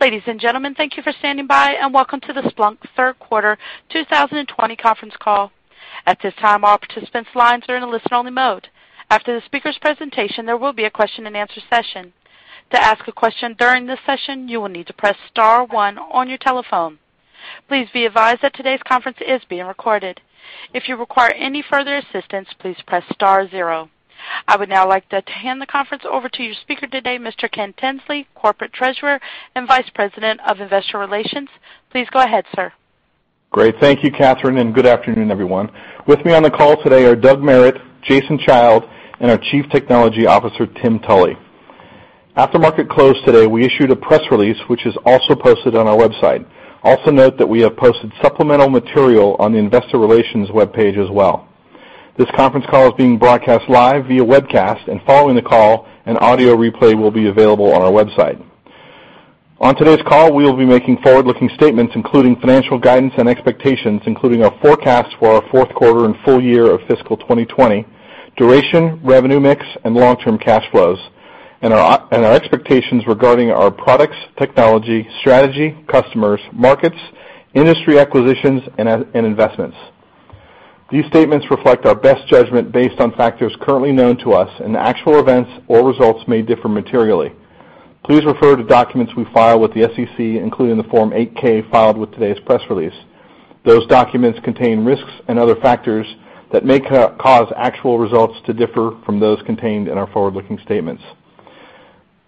Ladies and gentlemen, thank you for standing by, welcome to the Splunk Q3 2020 conference call. At this time, all participants' lines are in a listen-only mode. After the speaker's presentation, there will be a question and answer session. To ask a question during this session, you will need to press star one on your telephone. Please be advised that today's conference is being recorded. If you require any further assistance, please press star zero. I would now like to hand the conference over to your speaker today, Mr. Ken Tinsley, Corporate Treasurer and Vice President of Investor Relations. Please go ahead, sir. Great. Thank you, Catherine. Good afternoon, everyone. With me on the call today are Doug Merritt, Jason Child, and our Chief Technology Officer, Tim Tully. After market close today, we issued a press release, which is also posted on our website. Also note that we have posted supplemental material on the investor relations webpage as well. This conference call is being broadcast live via webcast, and following the call, an audio replay will be available on our website. On today's call, we will be making forward-looking statements, including financial guidance and expectations, including our forecast for our Q1 and full year of fiscal 2020, duration, revenue mix, and long-term cash flows, and our expectations regarding our products, technology, strategy, customers, markets, industry acquisitions, and investments. These statements reflect our best judgment based on factors currently known to us, and actual events or results may differ materially. Please refer to documents we file with the SEC, including the Form 8-K filed with today's press release. Those documents contain risks and other factors that may cause actual results to differ from those contained in our forward-looking statements.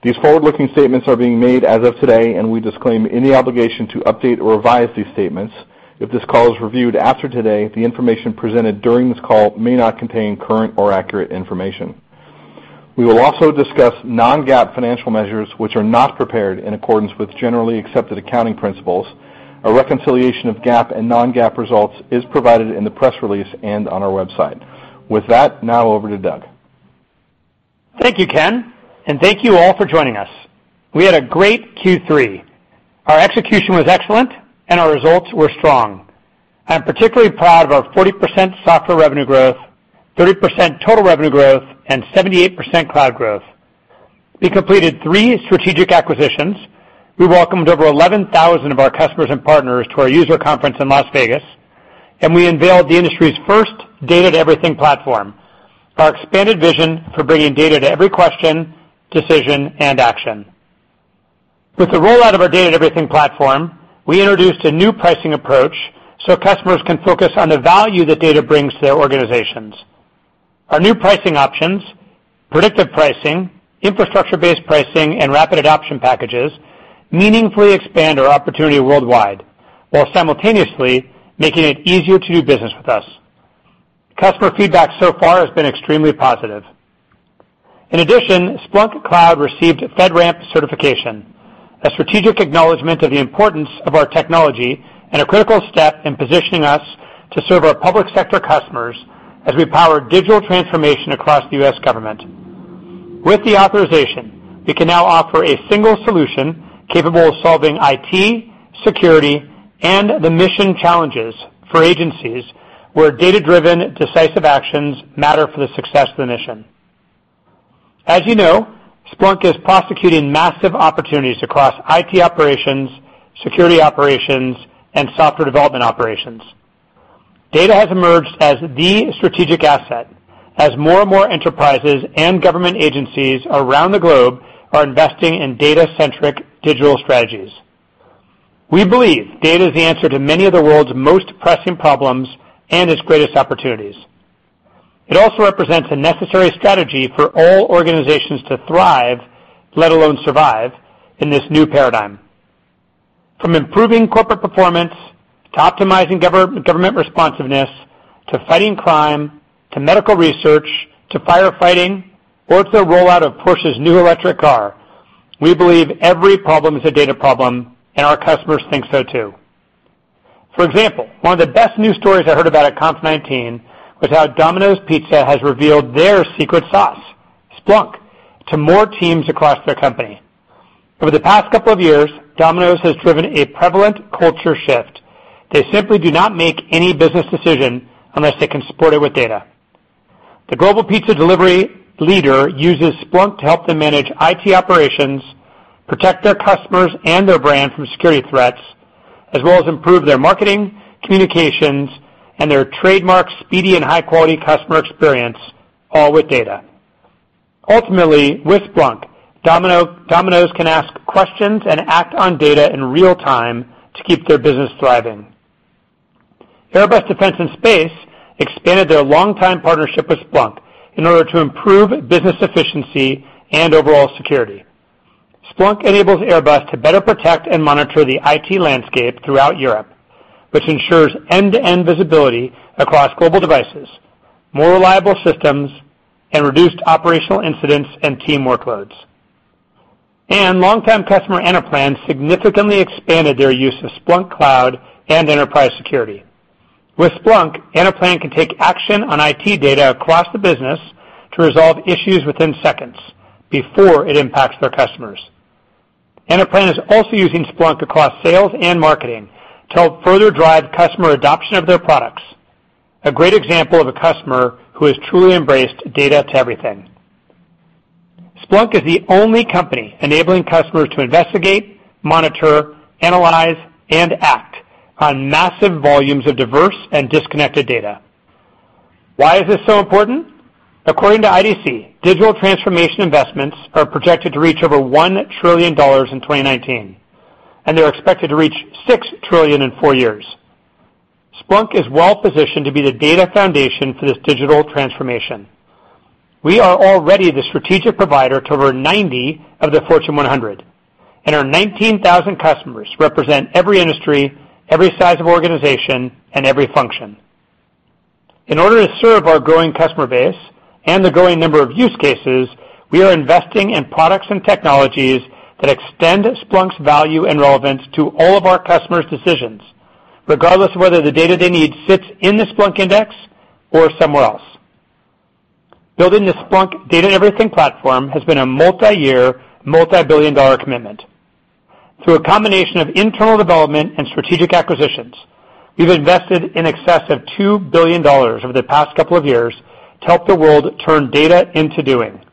These forward-looking statements are being made as of today, and we disclaim any obligation to update or revise these statements. If this call is reviewed after today, the information presented during this call may not contain current or accurate information. We will also discuss non-GAAP financial measures which are not prepared in accordance with generally accepted accounting principles. A reconciliation of GAAP and non-GAAP results is provided in the press release and on our website. With that, now over to Doug. Thank you, Ken, and thank you all for joining us. We had a great Q3. Our execution was excellent, and our results were strong. I'm particularly proud of our 40% software revenue growth, 30% total revenue growth, and 78% cloud growth. We completed three strategic acquisitions. We welcomed over 11,000 of our customers and partners to our user conference in Las Vegas, and we unveiled the industry's first Data-to-Everything platform, our expanded vision for bringing data to every question, decision, and action. With the rollout of our Data-to-Everything platform, we introduced a new pricing approach so customers can focus on the value that data brings to their organizations. Our new pricing options, predictive pricing, infrastructure-based pricing, and rapid adoption packages meaningfully expand our opportunity worldwide while simultaneously making it easier to do business with us. Customer feedback so far has been extremely positive. In addition, Splunk Cloud received FedRAMP certification, a strategic acknowledgment of the importance of our technology and a critical step in positioning us to serve our public sector customers as we power digital transformation across the U.S. government. With the authorization, we can now offer a single solution capable of solving IT, security, and the mission challenges for agencies where data-driven, decisive actions matter for the success of the mission. As you know, Splunk is prosecuting massive opportunities across IT operations, security operations, and software development operations. Data has emerged as the strategic asset as more and more enterprises and government agencies around the globe are investing in data-centric digital strategies. We believe data is the answer to many of the world's most pressing problems and its greatest opportunities. Therefore represents a necessary strategy for all organizations to thrive, let alone survive, in this new paradigm. From improving corporate performance to optimizing government responsiveness to fighting crime to medical research to firefighting, or to the rollout of Porsche's new electric car, we believe every problem is a data problem, and our customers think so, too. For example, one of the best news stories I heard about at .conf19 was how Domino's Pizza has revealed their secret sauce, Splunk, to more teams across their company. Over the past couple of years, Domino's has driven a prevalent culture shift. They simply do not make any business decision unless they can support it with data. The global pizza delivery leader uses Splunk to help them manage IT operations, protect their customers and their brand from security threats, as well as improve their marketing, communications, and their trademark speedy and high-quality customer experience, all with data. Ultimately, with Splunk, Domino's can ask questions and act on data in real time to keep their business thriving. Airbus Defence and Space expanded their longtime partnership with Splunk in order to improve business efficiency and overall security. Splunk enables Airbus to better protect and monitor the IT landscape throughout Europe, which ensures end-to-end visibility across global devices, more reliable systems, and reduced operational incidents and team workloads. A longtime customer Interplan significantly expanded their use of Splunk Cloud and Enterprise Security. With Splunk, Interplan can take action on IT data across the business to resolve issues within seconds before it impacts their customers. Interplan is also using Splunk across sales and marketing to help further drive customer adoption of their products. A great example of a customer who has truly embraced Data-to-Everything. Splunk is the only company enabling customers to investigate, monitor, analyze, and act on massive volumes of diverse and disconnected data. Why is this so important? According to IDC, digital transformation investments are projected to reach over $1 trillion in 2019, and they're expected to reach $6 trillion in four years. Splunk is well-positioned to be the data foundation for this digital transformation. We are already the strategic provider to over 90 of the Fortune 100, and our 19,000 customers represent every industry, every size of organization, and every function. In order to serve our growing customer base and the growing number of use cases, we are investing in products and technologies that extend Splunk's value and relevance to all of our customers' decisions, regardless of whether the data they need sits in the Splunk index or somewhere else. Building the Splunk Data-to-Everything platform has been a multi-year, multi-billion-dollar commitment. Through a combination of internal development and strategic acquisitions, we've invested in excess of $2 billion over the past couple of years to help the world turn data into doing.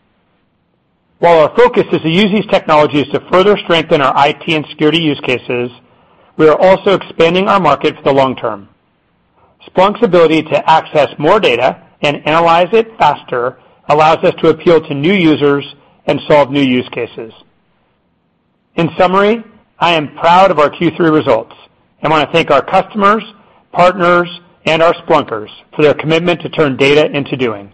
While our focus is to use these technologies to further strengthen our IT and overall security use cases, we are also expanding our market for the long term. Splunk's ability to access more data and analyze it faster allows us to appeal to new users and solve new use cases. In summary, I am proud of our Q3 results and want to thank our customers, partners, and our Splunkers for their commitment to turn data into doing.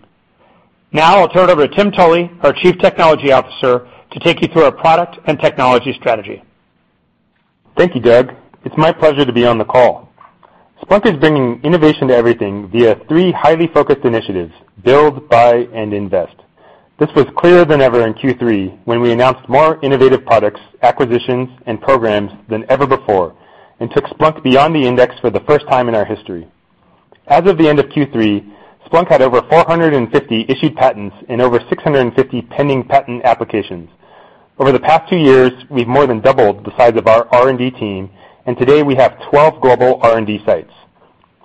Now I'll turn it to Tim Tully, our Chief Technology Officer, to take you through our product and technology strategy. Thank you, Doug. It's my pleasure to be on the call. Splunk is bringing innovation to everything via three highly focused initiatives: build, buy, and invest. This was clearer than ever in Q3 when we announced more innovative products, acquisitions, and programs than ever before, took Splunk beyond the index for the first time in our history. As of the end of Q3, Splunk had over 450 issued patents and over 650 pending patent applications. Over the past two years, we've more than doubled the size of our R&D team, today we have 12 global R&D sites.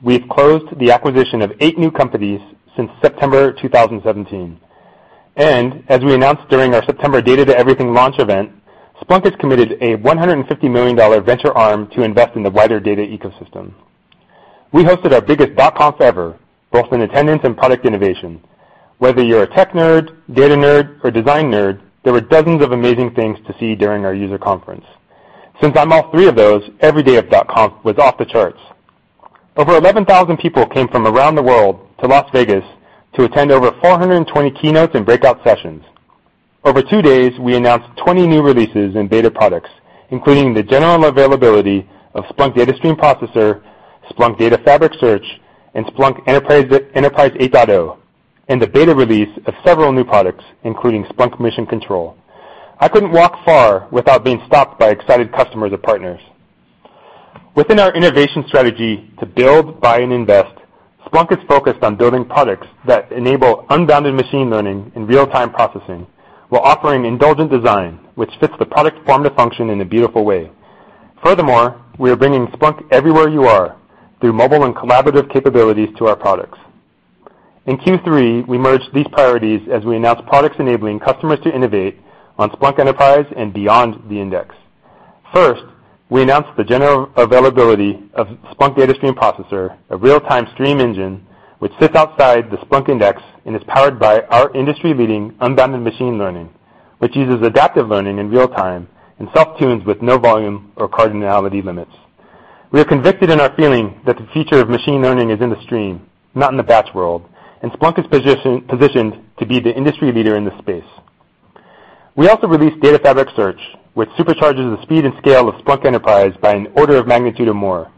We've closed the acquisition of eight new companies since September 2017. As we announced during our September Data-to-Everything launch event, Splunk has committed a $150 million venture arm to invest in the wider data ecosystem. We hosted our biggest .conf ever, both in attendance and product innovation. Whether you're a tech nerd, data nerd, or design nerd, there were dozens of amazing things to see during our user conference. Since I'm all three of those, every day of .conf was off the charts. Over 11,000 people came from around the world to Las Vegas to attend over 420 keynotes and breakout sessions. Over two days, we announced 20 new releases in beta products, including the general availability of Splunk Data Stream Processor, Splunk Data Fabric Search, and Splunk Enterprise 8.0, and the beta release of several new products, including Splunk Mission Control. I couldn't walk far without being stopped by excited customers or partners. Within our innovation strategy to build, buy, and invest, Splunk is focused on building products that enable unbounded machine learning and real-time processing while offering indulgent design, which fits the product form to function in a beautiful way. Furthermore we are bringing Splunk everywhere you are through mobile and collaborative capabilities to our products. In Q3, we merged these priorities as we announced products enabling customers to innovate on Splunk Enterprise and beyond the index. First we announced the general availability of Splunk Data Stream Processor, a real-time stream engine, which sits outside the Splunk index and is powered by our industry-leading unbounded machine learning, which uses adaptive learning in real time and self-tunes with no volume or cardinality limits. We are convicted in our feeling that the future of machine learning is in the stream, not in the batch world. Splunk is positioned to be the industry leader in this space. We also released Data Fabric Search, which supercharges the speed and scale of Splunk Enterprise by an order of magnitude or more,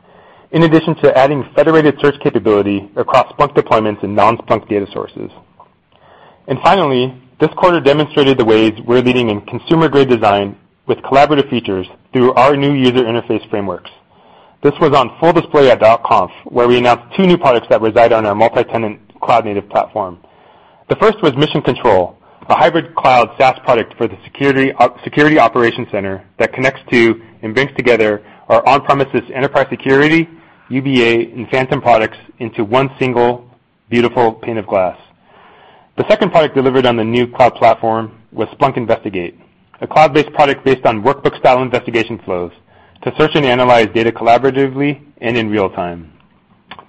in addition to adding federated search capability across Splunk deployments and non-Splunk data sources. And finally, this quarter demonstrated the ways we're leading in consumer-grade design with collaborative features through our new user interface frameworks. This was on full display at .conf, where we announced two new products that reside on our multi-tenant cloud-native platform. The first was Mission Control, a hybrid cloud SaaS product for the security operations center that connects to and brings together our on-premises Enterprise Security, UBA, and Phantom products into one single beautiful pane of glass. The second product delivered on the new cloud platform was Splunk Investigate, a cloud-based product based on workbook-style investigation flows to search and analyze data collaboratively and in real time.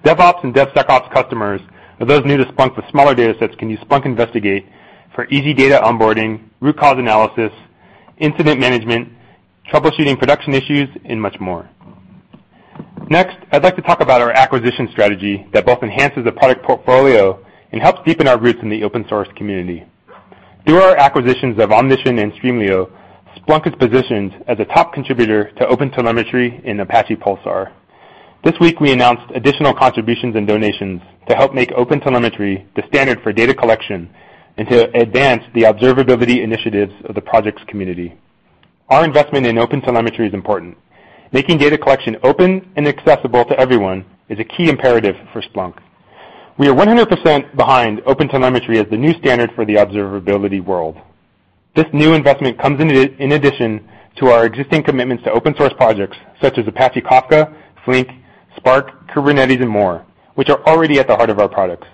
DevOps and DevSecOps customers or those new to Splunk with smaller datasets can use Splunk Investigate for easy data onboarding, root cause analysis, incident management, troubleshooting production issues, and much more. Next, I'd like to talk about our acquisition strategy that both enhances the product portfolio and helps deepen our roots in the open source community. Through our acquisitions of Omnition and Streamlio, Splunk is positioned as a top contributor to OpenTelemetry and Apache Pulsar. This week, we announced additional contributions and donations to help make OpenTelemetry the standard for data collection and to advance the observability initiatives of the projects community. Our investment in OpenTelemetry is important. Making data collection open and accessible to everyone is a key imperative for Splunk. We are 100% behind OpenTelemetry as the new standard for the observability world. This new investment comes in addition to our existing commitments to open source projects such as Apache Kafka, Flink, Spark, Kubernetes, and more, which are already at the heart of our products.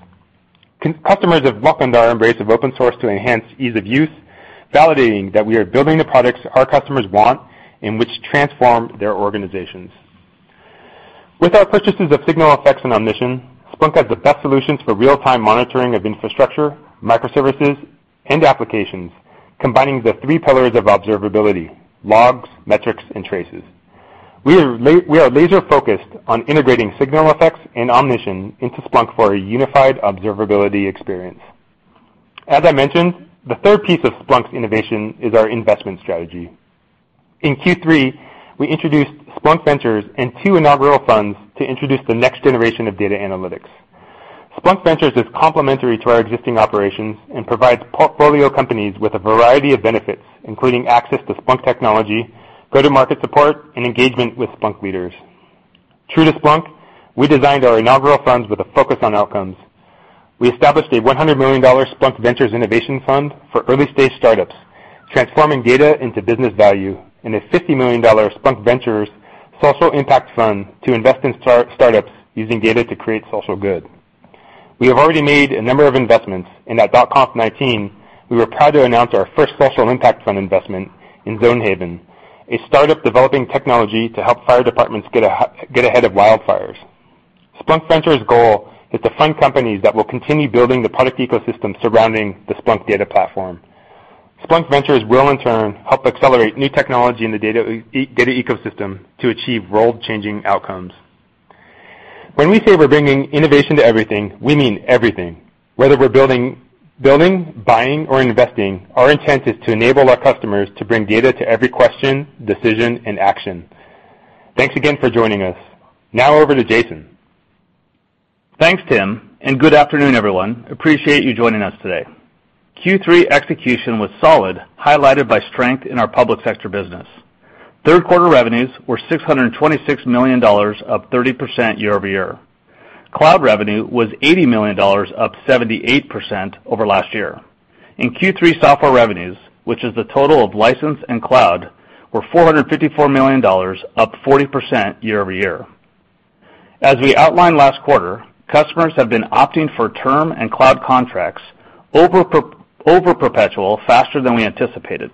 Customers have welcomed our embrace of open source to enhance ease of use, validating that we are building the products our customers want and which transform their organizations. With our purchases of SignalFx and Omnition, Splunk has the best solutions for real-time monitoring of infrastructure, microservices, and applications, combining the three pillars of observability, logs, metrics, and traces. We are laser focused on integrating SignalFx and Omnition into Splunk for a unified observability experience. As I mentioned, the third piece of Splunk's innovation is our investment strategy. In Q3, we introduced Splunk Ventures and two inaugural funds to introduce the next generation of data analytics. Splunk Ventures is complementary to our existing operations and provides portfolio companies with a variety of benefits, including access to Splunk technology, go-to-market support, and engagement with Splunk leaders. True to Splunk, we designed our inaugural funds with a focus on outcomes. We established a $100 million Splunk Ventures Innovation Fund for early-stage startups, transforming data into business value, and a $50 million Splunk Ventures Social Impact Fund to invest in startups using data to create social good. We have already made a number of investments, and at .conf19, we were proud to announce our first Social Impact Fund investment in Zonehaven, a startup developing technology to help fire departments get ahead of wildfires. Splunk Ventures' goal is to fund companies that will continue building the product ecosystem surrounding the Splunk data platform. Splunk Ventures will, in turn, help accelerate new technology in the data ecosystem to achieve world-changing outcomes. When we say we're bringing innovation to everything, we mean everything. Whether we're building, buying, or investing, our intent is to enable our customers to bring data to every question, decision, and action. Thanks again for joining us. Now over to Jason. Thanks, Tim. Good afternoon, everyone. Appreciate you joining us today. Q3 execution was solid, highlighted by strength in our public sector business. Q3 revenues were $626 million, up 30% year-over-year. Cloud revenue was $80 million, up 78% over last year. In Q3 software revenues, which is the total of license and cloud, were $454 million, up 40% year-over-year. As we outlined last quarter, customers have been opting for term and cloud contracts over perpetual faster than we anticipated.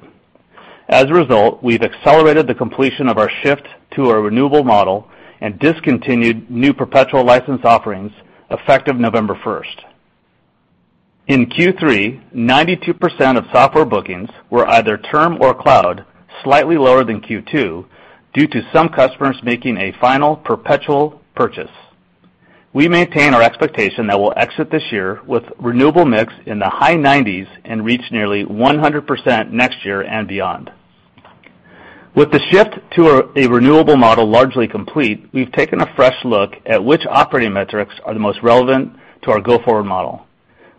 As a result, we've accelerated the completion of our shift to a renewable model and discontinued new perpetual license offerings effective November 1st. In Q3, 92% of software bookings were either term or cloud, slightly lower than Q2 due to some customers making a final perpetual purchase. We maintain our expectation that we'll exit this year with renewable mix in the high 90s and reach nearly 100% next year and beyond. With the shift to a renewable model largely complete, we've taken a fresh look at which operating metrics are the most relevant to our go-forward model.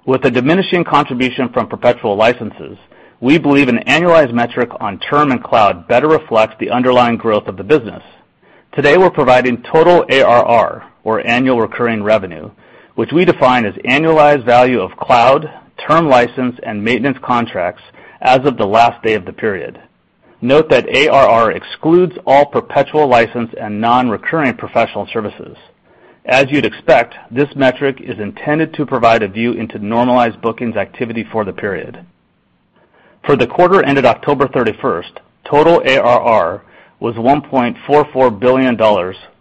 With the diminishing contribution from perpetual licenses, we believe an annualized metric on term and cloud better reflects the underlying growth of the business. Today, we're providing total ARR, or annual recurring revenue, which we define as annualized value of cloud, term license, and maintenance contracts as of the last day of the period. Note that ARR excludes all perpetual license and non-recurring professional services. As you'd expect, this metric is intended to provide a view into normalized bookings activity for the period. For the quarter ended October 31st, total ARR was $1.44 billion,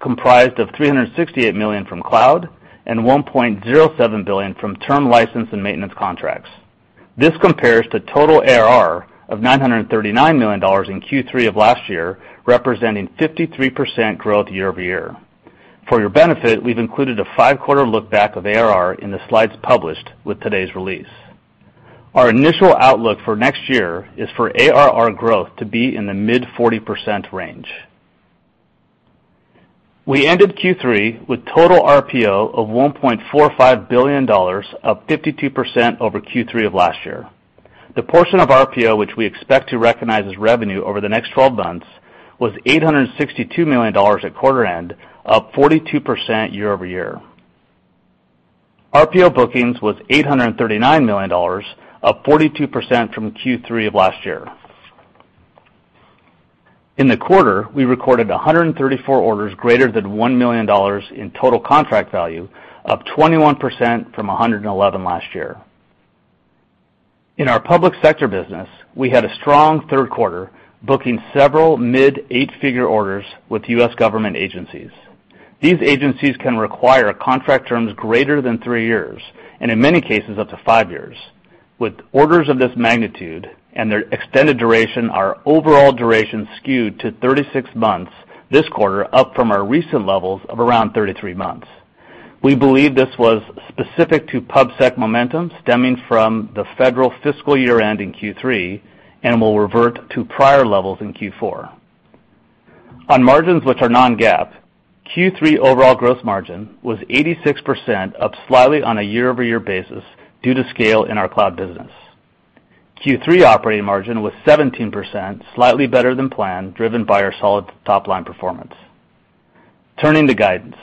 comprised of $368 million from cloud and $1.07 billion from term license and maintenance contracts. This compares to total ARR of $939 million in Q3 of last year, representing 53% growth year-over-year. For your benefit, we've included a five-quarter look back of ARR in the slides published with today's release. Our initial outlook for next year is for ARR growth to be in the mid 40% range. We ended Q3 with total RPO of $1.45 billion, up 52% over Q3 of last year. The portion of RPO, which we expect to recognize as revenue over the next 12 months, was $862 million at quarter end, up 42% year-over-year. RPO bookings was $839 million, up 42% from Q3 of last year. In the quarter, we recorded 134 orders greater than $1 million in total contract value, up 21% from 111 last year. In our public sector business, we had a strong Q3, booking several mid-eight-figure orders with U.S. government agencies. These agencies can require contract terms greater than three years, and in many cases, up to five years. With orders of this magnitude and their extended duration, our overall duration skewed to 36 months this quarter, up from our recent levels of around 33 months. We believe this was specific to PubSec momentum stemming from the federal fiscal year-end in Q3 and will revert to prior levels in Q4. On margins which are non-GAAP, Q3 overall gross margin was 86%, up slightly on a year-over-year basis due to scale in our cloud business. Q3 operating margin was 17%, slightly better than planned, driven by our solid top-line performance. Turning to guidance,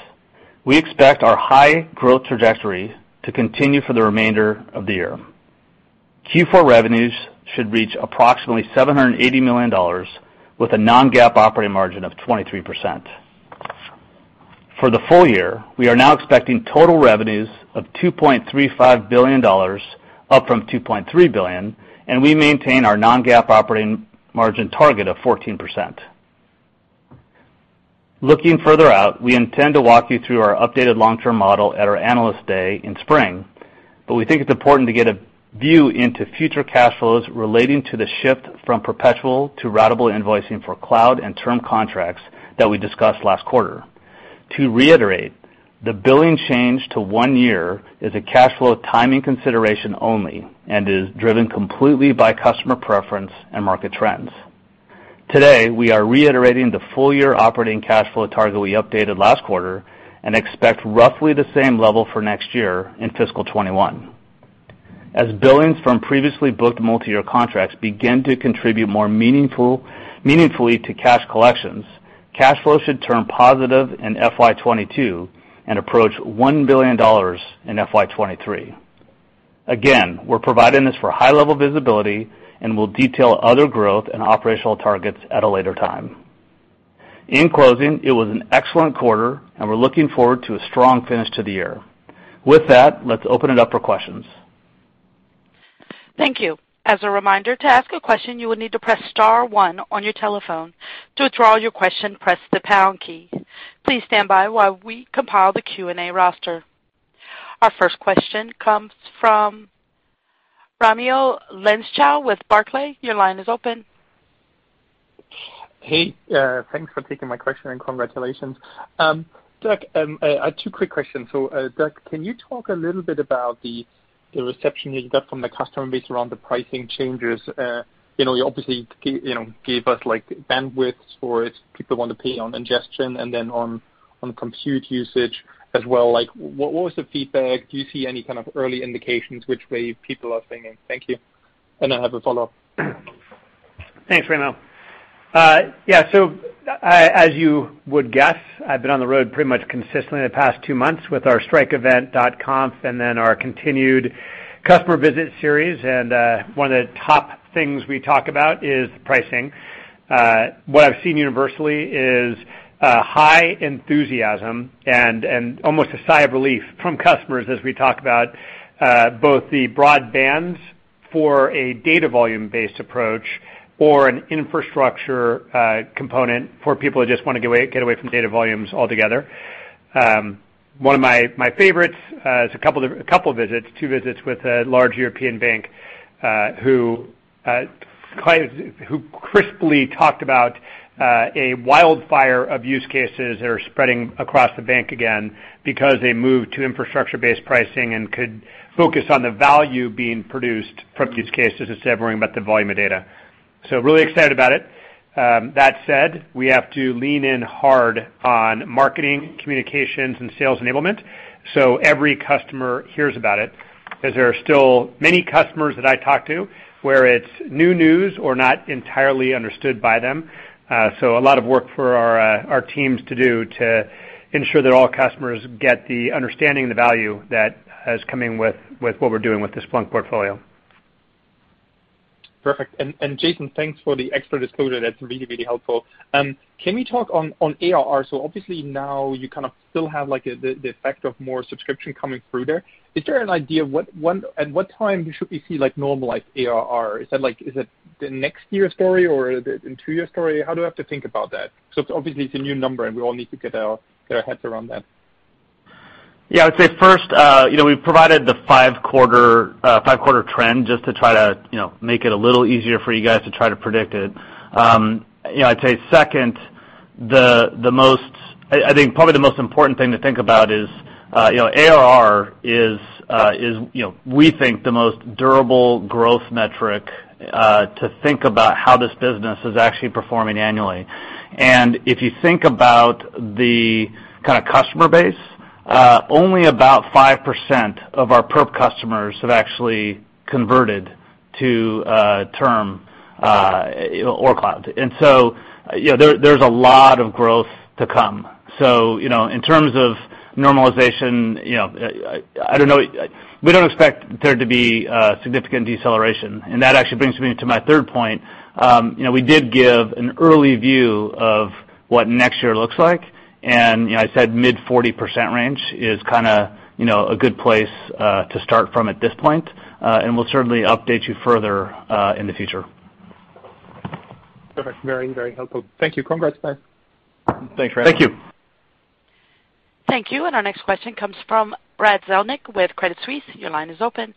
we expect our high growth trajectory to continue for the remainder of the year. Q4 revenues should reach approximately $780 million, with a non-GAAP operating margin of 23%. For the full year, we are now expecting total revenues of $2.35 billion, up from $2.3 billion. And we maintain our non-GAAP operating margin target of 14%. Looking further out, we intend to walk you through our updated long-term model at our Analyst Day in spring. We think it's important to get a view into future cash flows relating to the shift from perpetual to ratable invoicing for cloud and term contracts that we discussed last quarter. To reiterate, the billing change to one year is a cash flow timing consideration only and is driven completely by customer preference and market trends. Today, we are reiterating the full-year operating cash flow target we updated last quarter and expect roughly the same level for next year in fiscal 2021. As billings from previously booked multi-year contracts begin to contribute more meaningfully to cash collections, cash flow should turn positive in FY 2022 and approach $1 billion in FY 2023. Again, we're providing this for high-level visibility, and we'll detail other growth and operational targets at a later time. In closing, it was an excellent quarter, and we're looking forward to a strong finish to the year. With that, let's open it up for questions. Thank you. As a reminder, to ask a question, you will need to press star one on your telephone. To withdraw your question, press the hash key. Please stand by while we compile the Q&A roster. Our first question comes from Raimo Lenschow with Barclays. Your line is open. Hey, thanks for taking my question, and congratulations. Doug, I have two quick questions. Doug, can you talk a little bit about the reception you got from the customer base around the pricing changes? You obviously gave us bandwidth for if people want to pay on ingestion and then on compute usage as well. What was the feedback? Do you see any kind of early indications which way people are thinking? Thank you. I have a follow-up. Thanks, Raimo. Yeah. As you would guess, I've been on the road pretty much consistently the past two months with our Strike Event .conf, then our continued customer visit series. One of the top things we talk about is pricing. What I've seen universally is high enthusiasm and almost a sigh of relief from customers as we talk about both the broad bands for a data volume-based approach or an infrastructure component for people who just want to get away from data volumes altogether. One of my favorites is a couple of visits, two visits, with a large European bank who crisply talked about a wildfire of use cases that are spreading across the bank again because they moved to infrastructure-based pricing and could focus on the value being produced from use cases instead of worrying about the volume of data. Really excited about it. That said, we have to lean in hard on marketing, communications, and sales enablement so every customer hears about it, as there are still many customers that I talk to where it's new news or not entirely understood by them. A lot of work for our teams to do to ensure that all customers get the understanding and the value that is coming with what we're doing with the Splunk portfolio. Perfect. Jason, thanks for the extra disclosure. That's really helpful. Can we talk on ARR? Obviously now you kind of still have the effect of more subscription coming through there. Is there an idea at what time should we see normalized ARR? Is it the next year story, or is it a two-year story? How do I have to think about that? Obviously, it's a new number, and we all need to get our heads around that. I'd say first, we provided the five-quarter trend just to try to make it a little easier for you guys to try to predict it. I'd say second, I think probably the most important thing to think about is ARR is, we think, the most durable growth metric to think about how this business is actually performing annually. If you think about the kind of customer base, only about 5% of our perp customers have actually converted to term or cloud. So, there's a lot of growth to come. So, in terms of normalization, I don't know. We don't expect there to be a significant deceleration. That actually brings me to my third point. We did give an early view of what next year looks like, and I said mid 40% range is kind of a good place to start from at this point. We'll certainly update you further in the future. Perfect. Very, very helpful. Thank you. Congrats, guys. Thanks, Raimo. Thank you. Our next question comes from Brad Zelnick with Credit Suisse. Your line is open.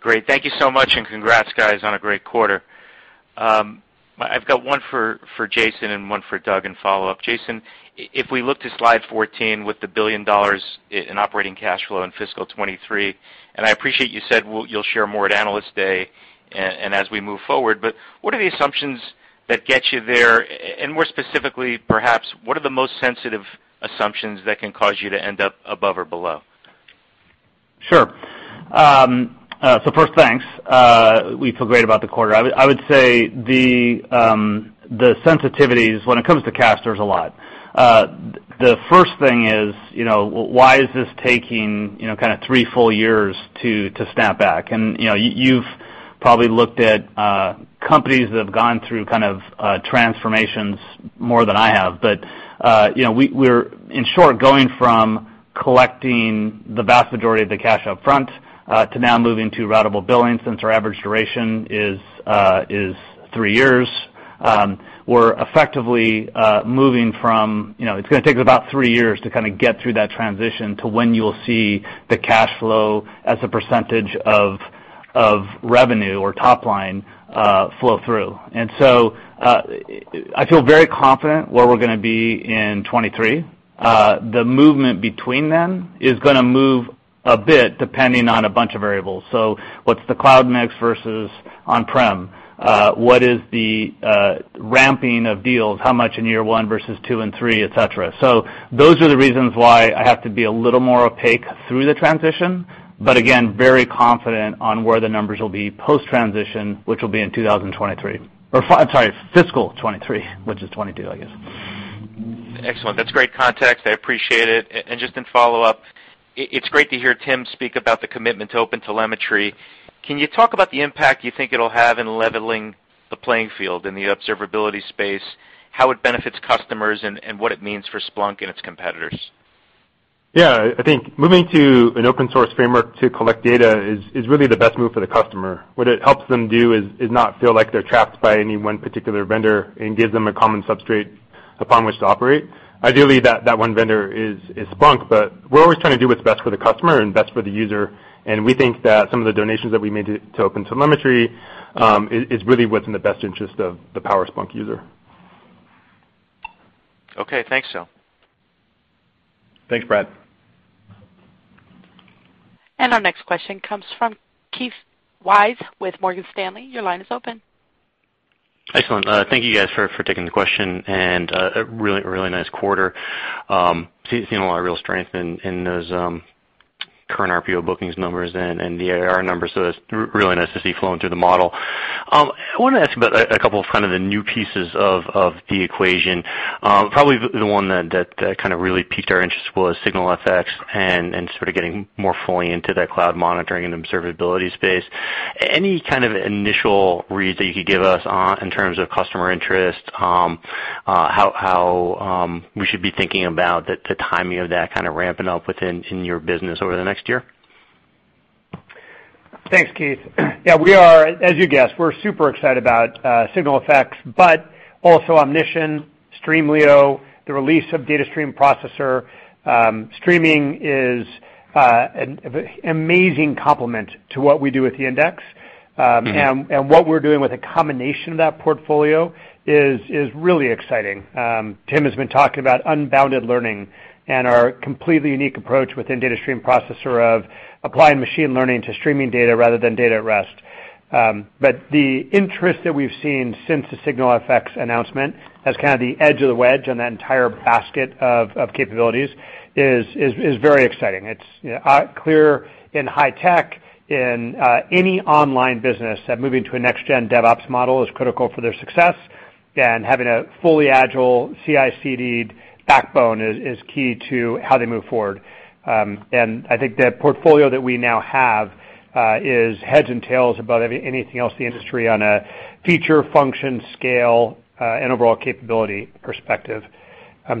Great. Thank you so much. Congrats, guys, on a great quarter. I've got one for Jason and one for Doug, and follow-up. Jason, if we look to slide 14 with the $1 billion in operating cash flow in fiscal 2023, and I appreciate you said you'll share more at Analyst Day and as we move forward, but what are the assumptions that gets you there, and more specifically, perhaps, what are the most sensitive assumptions that can cause you to end up above or below? Sure. First, thanks. We feel great about the quarter. I would say the sensitivities when it comes to cash, there's a lot. The first thing is, why is this taking three full years to snap back? You've probably looked at companies that have gone through transformations more than I have, but we're, in short, going from collecting the vast majority of the cash up front to now moving to ratable billing since our average duration is three years. We're effectively moving from, it's going to take about three years to get through that transition to when you'll see the cash flow as a percentage of revenue or top line flow through. I feel very confident where we're going to be in 2023. The movement between them is going to move a bit depending on a bunch of variables. So but what's the cloud mix versus on-prem? What is the ramping of deals? How much in year one versus two and three, et cetera. Those are the reasons why I have to be a little more opaque through the transition. Again, very confident on where the numbers will be post-transition, which will be in 2023. I'm sorry, fiscal 2023, which is 2022, I guess. Excellent. That's great context. I appreciate it. Just in follow-up, it's great to hear Tim speak about the commitment to OpenTelemetry. Can you talk about the impact you think it'll have in leveling the playing field in the observability space, how it benefits customers, and what it means for Splunk and its competitors? Yeah, I think moving to an open source framework to collect data is really the best move for the customer. What it helps them do is not feel like they're trapped by any one particular vendor and gives them a common substrate upon which to operate. Ideally, that one vendor is Splunk, but we're always trying to do what's best for the customer and best for the user, and we think that some of the donations that we made to OpenTelemetry is really what's in the best interest of the power Splunk user. Okay. Thanks, Tim. Thanks, Brad. Our next question comes from Keith Weiss with Morgan Stanley. Your line is open. Excellent. Thank you guys for taking the question, a really nice quarter. Seeing a lot of real strength in those current RPO bookings numbers and the ARR numbers, so that's really nice to see flowing through the model. I want to ask about a couple of kind of the new pieces of the equation. Probably the one that kind of really piqued our interest was SignalFx and sort of getting more fully into that cloud monitoring and observability space. Any kind of initial reads that you could give us in terms of customer interest, how we should be thinking about the timing of that kind of ramping up within your business over the next year? Thanks, Keith. Yeah, as you guessed, we're super excited about SignalFx, but also Omnition, Streamlio, the release of Data Stream Processor. Streaming is an amazing complement to what we do with the index. What we're doing with a combination of that portfolio is really exciting. Tim has been talking about unbounded learning and our completely unique approach within Data Stream Processor of applying machine learning to streaming data rather than data at rest. The interest that we've seen since the SignalFx announcement as kind of the edge of the wedge on that entire basket of capabilities is very exciting. It's clear in high tech, in any online business that moving to a next gen DevOps model is critical for their success, and having a fully agile CICD backbone is key to how they move forward. I think the portfolio that we now have is heads and tails above anything else in the industry on a feature, function, scale, and overall capability perspective.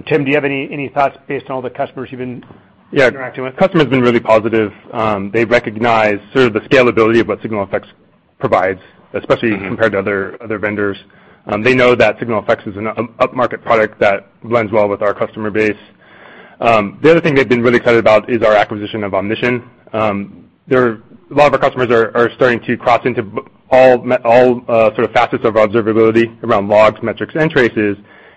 Tim, do you have any thoughts based on all the customers you've been interacting with? Yeah. Customers have been really positive. They recognize sort of the scalability of what SignalFx provides, especially compared to other vendors. They know that SignalFx is an up-market product that blends well with our customer base. The other thing they've been really excited about is our acquisition of Omnition. A lot of our customers are starting to cross into all sort of facets of observability around logs, metrics, and traces,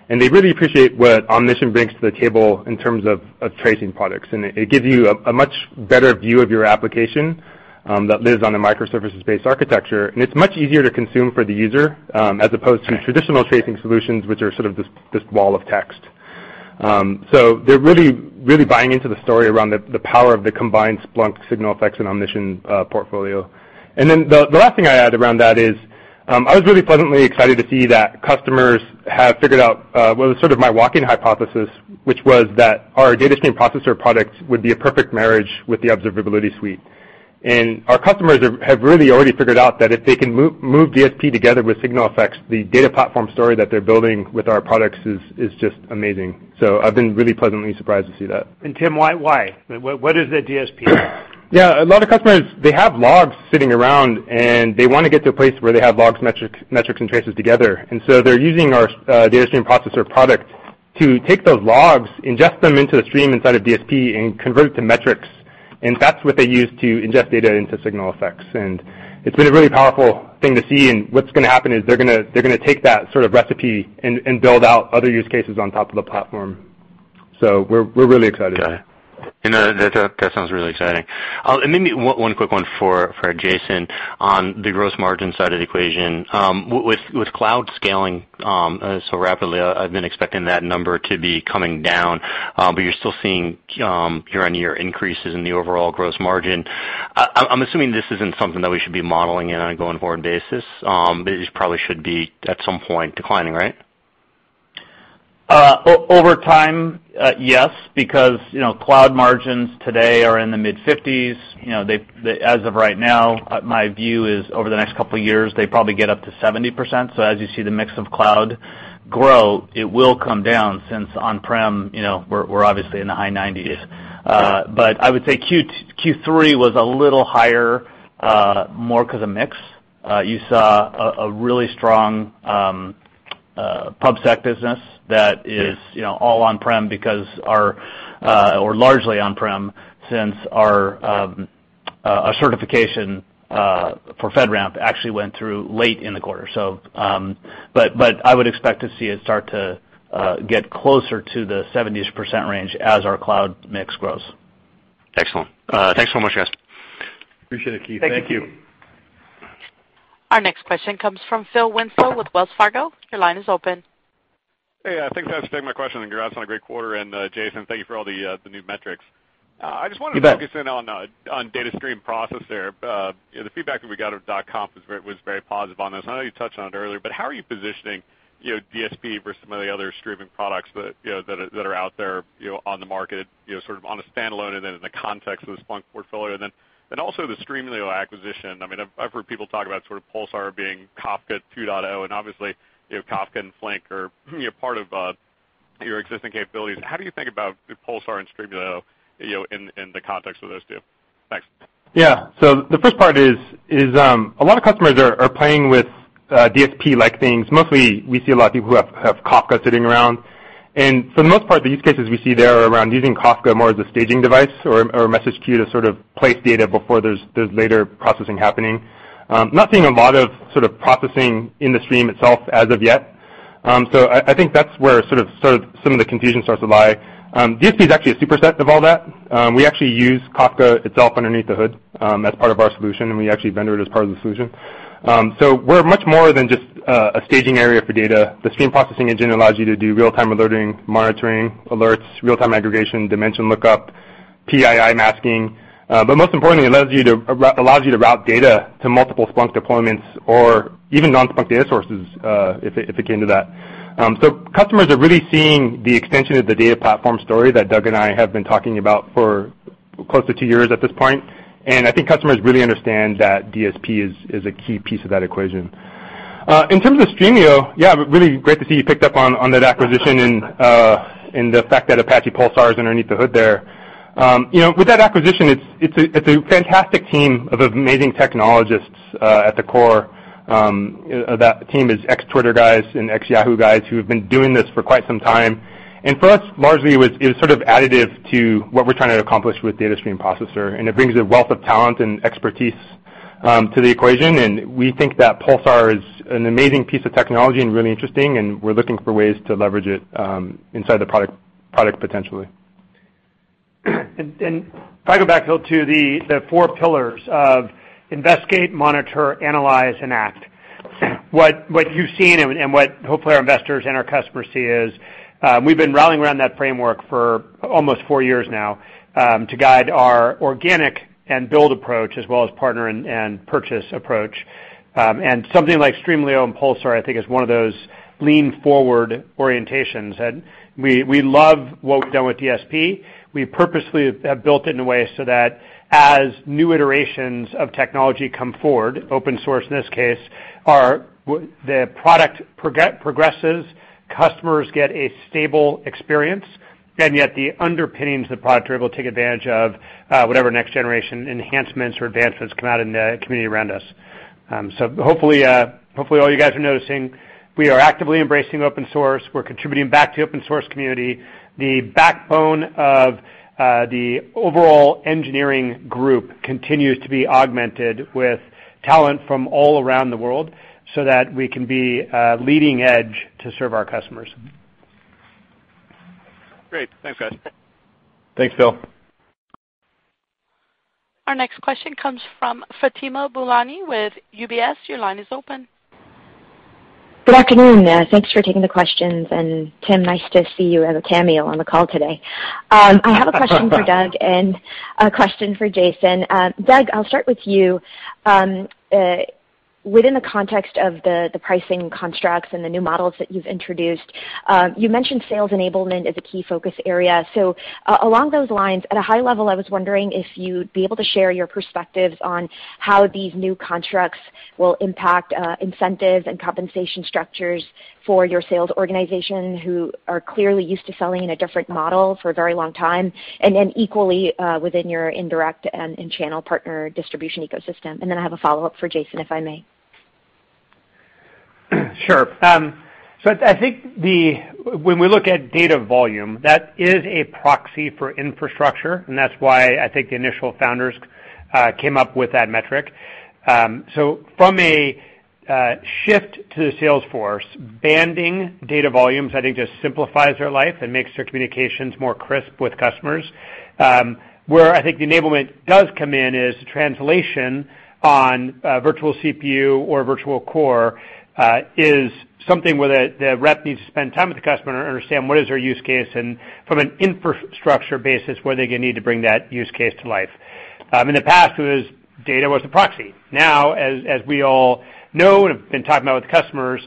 and they really appreciate what Omnition brings to the table in terms of tracing products. It gives you a much better view of your application that lives on a microservices-based architecture, and it's much easier to consume for the user as opposed to traditional tracing solutions, which are sort of this wall of text. So they're really buying into the story around the power of the combined Splunk SignalFx and Omnition portfolio. The last thing I'd add around that is, I was really pleasantly excited to see that customers have figured out what was sort of my walking hypothesis, which was that our Data Stream Processor products would be a perfect marriage with the observability suite. Our customers have really already figured out that if they can move DSP together with SignalFx, the data platform story that they're building with our products is just amazing. I've been really pleasantly surprised to see that. Tim, why? What is the DSP? Yeah. A lot of customers, they have logs sitting around, and they want to get to a place where they have logs, metrics, and traces together. They're using our Data Stream Processor product to take those logs, ingest them into the stream inside of DSP, and convert to metrics. That's what they use to ingest data into SignalFx. It's been a really powerful thing to see, and what's going to happen is they're going to take that sort of recipe and build out other use cases on top of the platform. We're really excited. Got it. That sounds really exciting. Maybe one quick one for Jason on the gross margin side of the equation. With cloud scaling so rapidly, I've been expecting that number to be coming down, but you're still seeing year-on-year increases in the overall gross margin. I'm assuming this isn't something that we should be modeling in on a going-forward basis. This probably should be at some point declining, right? Over time, yes, because cloud margins today are in the mid-50s%. As of right now, my view is over the next couple of years, they probably get up to 70%. As you see the mix of cloud grow, it will come down since on-prem, we're obviously in the high 90s%. I would say Q3 was a little higher, more because of mix. You saw a really strong PubSec business that is all on-prem, or largely on-prem, since our certification for FedRAMP actually went through late in the quarter. But I would expect to see it start to get closer to the 70s% range as our cloud mix grows. Excellent. Thanks so much, guys. Appreciate it, Keith. Thank you. Thank you. Our next question comes from Phil Winslow with Wells Fargo. Your line is open. Hey, thanks for taking my question, congrats on a great quarter, Jason, thank you for all the new metrics. You bet. I just wanted to focus in on Data Stream Processor there. The feedback that we got at .conf was very positive on this. I know you touched on it earlier, how are you positioning DSP versus some of the other streaming products that are out there on the market, sort of on a standalone and then in the context of the Splunk portfolio? Also the Streamlio acquisition. I've heard people talk about sort of Pulsar being Kafka two point zero, and obviously, Kafka and Flink are part of your existing capabilities. How do you think about Pulsar and Streamlio in the context of those two? Thanks. The first part is a lot of customers are playing with DSP-like things. Mostly, we see a lot of people who have Kafka sitting around. For the most part, the use cases we see there are around using Kafka more as a staging device or a message queue to sort of place data before there's later processing happening. Not seeing a lot of sort of processing in the stream itself as of yet. I think that's where some of the confusion starts to lie. DSP is actually a super set of all that. We actually use Kafka itself underneath the hood as part of our solution, and we actually vendor it as part of the solution. We're much more than just a staging area for data. The stream processing engine allows you to do real-time alerting, monitoring, alerts, real-time aggregation, dimension lookup, PII masking. Most importantly, it allows you to route data to multiple Splunk deployments or even non-Splunk data sources if it came to that. Customers are really seeing the extension of the data platform story that Doug and I have been talking about for close to two years at this point. I think customers really understand that DSP is a key piece of that equation. In terms of Streamlio, yeah, really great to see you picked up on that acquisition and the fact that Apache Pulsar is underneath the hood there. With that acquisition, it's a fantastic team of amazing technologists at the core. That team is ex-Twitter guys and ex-Yahoo guys who have been doing this for quite some time. For us, largely, it was sort of additive to what we're trying to accomplish with Data Stream Processor. It brings a wealth of talent and expertise to the equation. We think that Pulsar is an amazing piece of technology and really interesting. We're looking for ways to leverage it inside the product potentially. If I go back, though, to the four pillars of investigate, monitor, analyze, and act. What you've seen and what hopefully our investors and our customers see is we've been rallying around that framework for almost four years now to guide our organic and build approach as well as partner and purchase approach. Something like Streamlio and Pulsar, I think, is one of those lean-forward orientations. We love what we've done with DSP. We purposely have built it in a way so that as new iterations of technology come forward, open source in this case, the product progresses, customers get a stable experience, and yet the underpinnings of the product are able to take advantage of whatever next generation enhancements or advancements come out in the community around us. Hopefully, all you guys are noticing we are actively embracing open source. We're contributing back to the open-source community. The backbone of the overall engineering group continues to be augmented with talent from all around the world so that we can be leading edge to serve our customers. Great. Thanks, guys. Thanks, Phil. Our next question comes from Fatima Boolani with UBS. Your line is open. Good afternoon. Thanks for taking the questions. Tim, nice to see you as a cameo on the call today. I have a question for Doug and a question for Jason. Doug, I'll start with you. Within the context of the pricing constructs and the new models that you've introduced, you mentioned sales enablement as a key focus area. Along those lines, at a high level, I was wondering if you'd be able to share your perspectives on how these new constructs will impact incentives and compensation structures for your sales organization, who are clearly used to selling in a different model for a very long time, and then equally within your indirect and channel partner distribution ecosystem. Then I have a follow-up for Jason, if I may. Sure. I think when we look at data volume, that is a proxy for infrastructure, and that's why I think the initial founders came up with that metric. From a shift to the sales force, banding data volumes I think just simplifies their life and makes their communications more crisp with customers. Where I think the enablement does come in is the translation on virtual CPU or virtual core is something where the rep needs to spend time with the customer and understand what is their use case, and from an infrastructure basis, where they need to bring that use case to life. In the past, it was data was the proxy. As we all know and have been talking about with customers,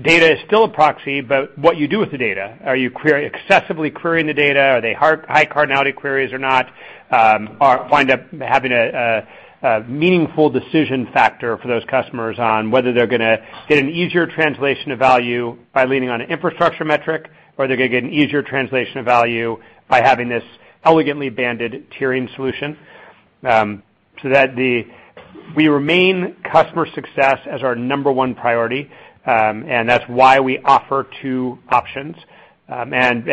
data is still a proxy, but what you do with the data, are you excessively querying the data? Are they high cardinality queries or not? Wind up having a meaningful decision factor for those customers on whether they're going to get an easier translation of value by leaning on an infrastructure metric, or they're going to get an easier translation of value by having this elegantly banded tiering solution. That we remain customer success as our number one priority, and that's why we offer two options. I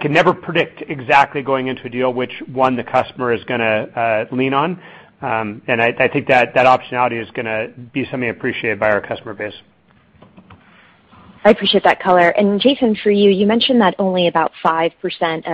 can never predict exactly going into a deal which one the customer is going to lean on. I think that optionality is going to be something appreciated by our customer base. I appreciate that color. Jason, for you mentioned that only about 5%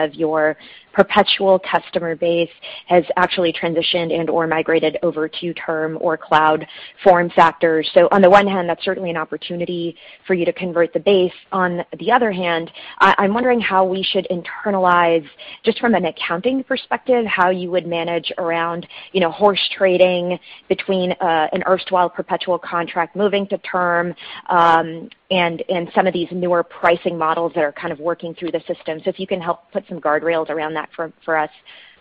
of your perpetual customer base has actually transitioned and/or migrated over to term or cloud form factors. On the one hand, that's certainly an opportunity for you to convert the base. On the other hand, I'm wondering how we should internalize, just from an accounting perspective, how you would manage around horse trading between an erstwhile perpetual contract moving to term, and some of these newer pricing models that are kind of working through the system. If you can help put some guardrails around that for us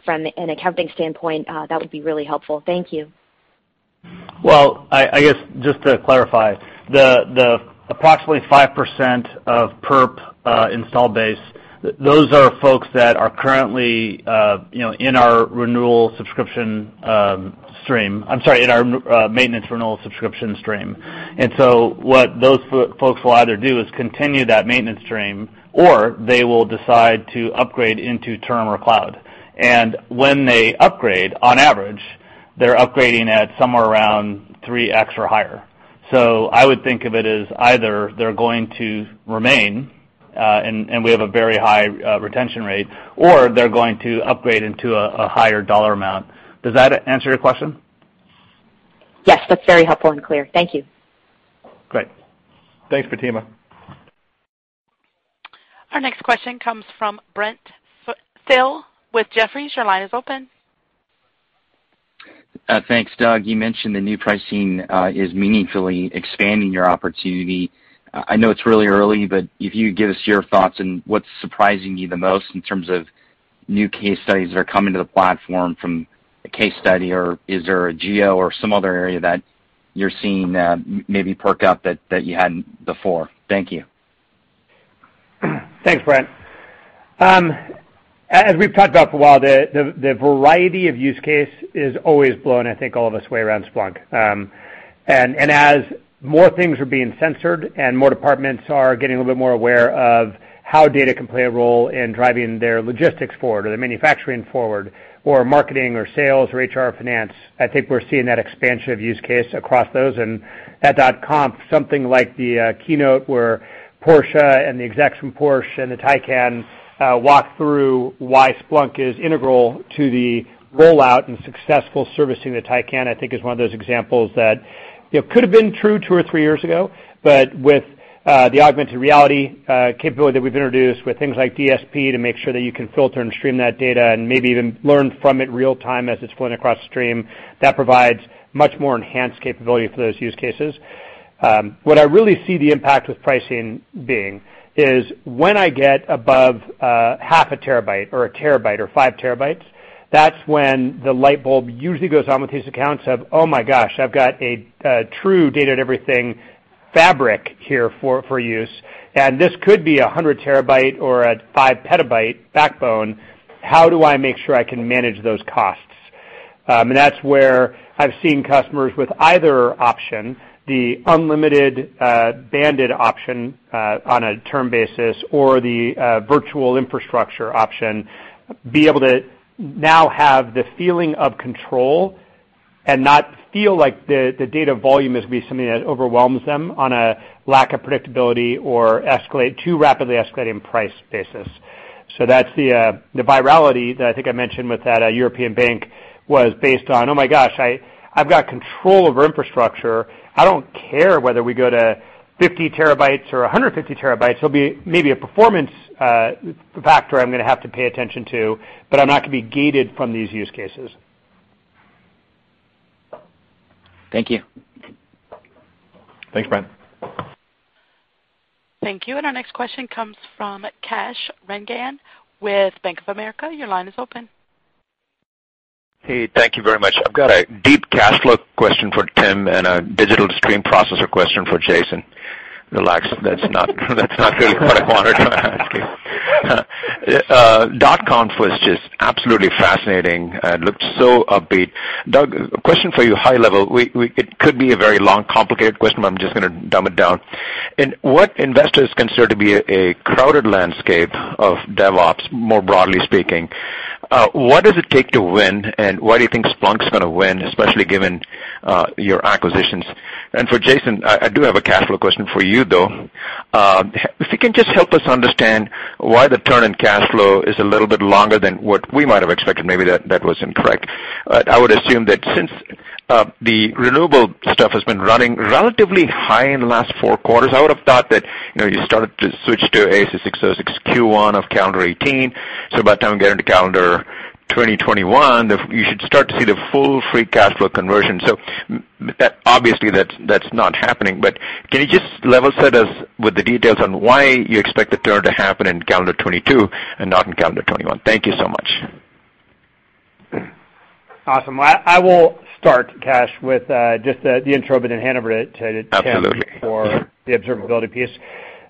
from an accounting standpoint, that would be really helpful. Thank you. Well, I guess just to clarify, the approximately 5% of perp install base, those are folks that are currently in our maintenance renewal subscription stream. What those folks will either do is continue that maintenance stream, or they will decide to upgrade into term or cloud. When they upgrade, on average, they're upgrading at somewhere around three x or higher. I would think of it as either they're going to remain, and we have a very high retention rate, or they're going to upgrade into a higher dollar amount. Does that answer your question? Yes, that's very helpful and clear. Thank you. Great. Thanks, Fatima. Our next question comes from Brent Thill with Jefferies. Your line is open. Thanks. Doug, you mentioned the new pricing is meaningfully expanding your opportunity. I know it's really early, but if you could give us your thoughts on what's surprising you the most in terms of new case studies that are coming to the platform from a case study, or is there a geo or some other area that you're seeing maybe perk up that you hadn't before? Thank you. Thanks, Brent. As we've talked about for a while, the variety of use case is always blowing, I think, all of us away around Splunk. As more things are being sensed and more departments are getting a little bit more aware of how data can play a role in driving their logistics forward or their manufacturing forward, or marketing or sales or HR or finance, I think we're seeing that expansion of use case across those. At .conf, something like the keynote where Porsche and the execs from Porsche and the Taycan walk through why Splunk is integral to the rollout and successful servicing the Taycan, I think, is one of those examples that could have been true two or three years ago, but with the augmented reality capability that we've introduced with things like DSP to make sure that you can filter and stream that data and maybe even learn from it real-time as it's flowing across the stream, that provides much more enhanced capability for those use cases. What I really see the impact with pricing being is when I get above half a terabyte or a terabyte or five terabytes, that's when the light bulb usually goes on with these accounts of, oh my gosh, I've got a true data everything fabric here for use, and this could be a 100 terabyte or a five petabyte backbone. How do I make sure I can manage those costs? That's where I've seen customers with either option, the unlimited banded option on a term basis or the virtual infrastructure option, be able to now have the feeling of control and not feel like the data volume is going to be something that overwhelms them on a lack of predictability or too rapidly escalating price basis. That's the virality that I think I mentioned with that European bank was based on, oh my gosh, I've got control over infrastructure. I don't care whether we go to 50 terabytes or 150 terabytes. There'll be maybe a performance factor I'm going to have to pay attention to, but I'm not going to be gated from these use cases. Thank you. Thanks, Brent. Thank you. Our next question comes from Kash Rangan with Bank of America. Your line is open. Hey, thank you very much. I've got a deep cash flow question for Tim and a Data Stream Processor question for Jason. Relax, that's not really what I wanted to ask you. .conf was just absolutely fascinating. It looked so upbeat. Doug, question for you, high level. It could be a very long, complicated question, but I'm just going to dumb it down. In what investors consider to be a crowded landscape of DevOps, more broadly speaking, what does it take to win, and why do you think Splunk's going to win, especially given your acquisitions? For Jason, I do have a cash flow question for you, though. If you can just help us understand why the turn in cash flow is a little bit longer than what we might have expected. Maybe that was incorrect. I would assume that since the renewable stuff has been running relatively high in the last four quarters, I would've thought that you started to switch to ASC 606 Q1 of calendar 2018. By the time we get into calendar 2021, you should start to see the full free cash flow conversion. Obviously, that's not happening. Can you just level set us with the details on why you expect the turn to happen in calendar 2022 and not in calendar 2021? Thank you so much. Awesome. I will start, Kash, with just the intro bit in hand over to Tim- Absolutely for the observability piece.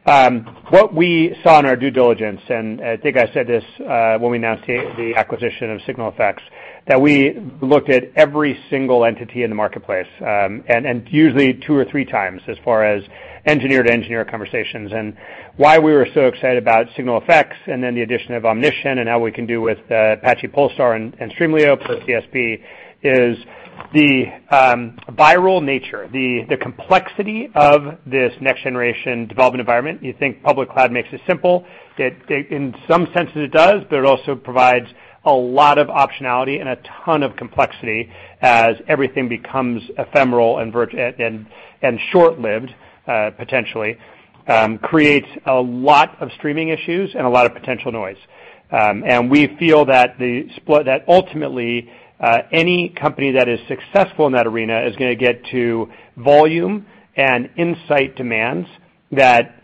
What we saw in our due diligence, and I think I said this when we announced the acquisition of SignalFx, that we looked at every single entity in the marketplace, and usually two or three times as far as engineer-to-engineer conversations. Why we were so excited about SignalFx and then the addition of Omnition and how we can do with Apache Pulsar and Streamlio for DSP is the viral nature, the complexity of this next generation development environment. You think public cloud makes it simple. In some senses it does, but it also provides a lot of optionality and a ton of complexity as everything becomes ephemeral and short-lived, potentially, creates a lot of streaming issues and a lot of potential noise. We feel that ultimately, any company that is successful in that arena is going to get to volume and insight demands that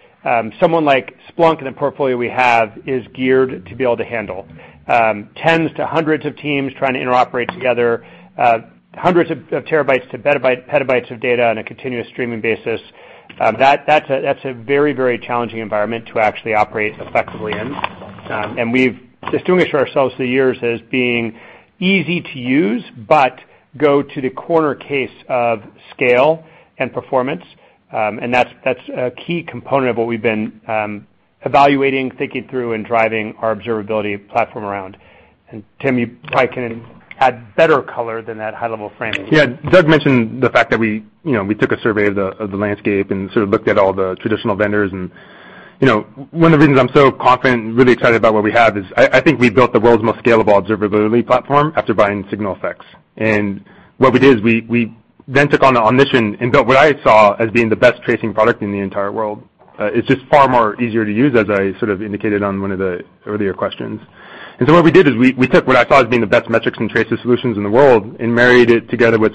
someone like Splunk and the portfolio we have is geared to be able to handle. Tens to hundreds of teams trying to interoperate together, hundreds of terabytes to petabytes of data on a continuous streaming basis. That's a very challenging environment to actually operate effectively in. We've distinguished ourselves through the years as being easy to use, but go to the corner case of scale and performance, and that's a key component of what we've been evaluating, thinking through, and driving our observability platform around. Tim, you probably can add better color than that high level framing. Doug mentioned the fact that we took a survey of the landscape and sort of looked at all the traditional vendors. One of the reasons I'm so confident and really excited about what we have is I think we built the world's most scalable observability platform after buying SignalFx. What we did is we then took on Omnition and built what I saw as being the best tracing product in the entire world. It's just far more easier to use, as I sort of indicated on one of the earlier questions. What we did is we took what I saw as being the best metrics and traces solutions in the world and married it together with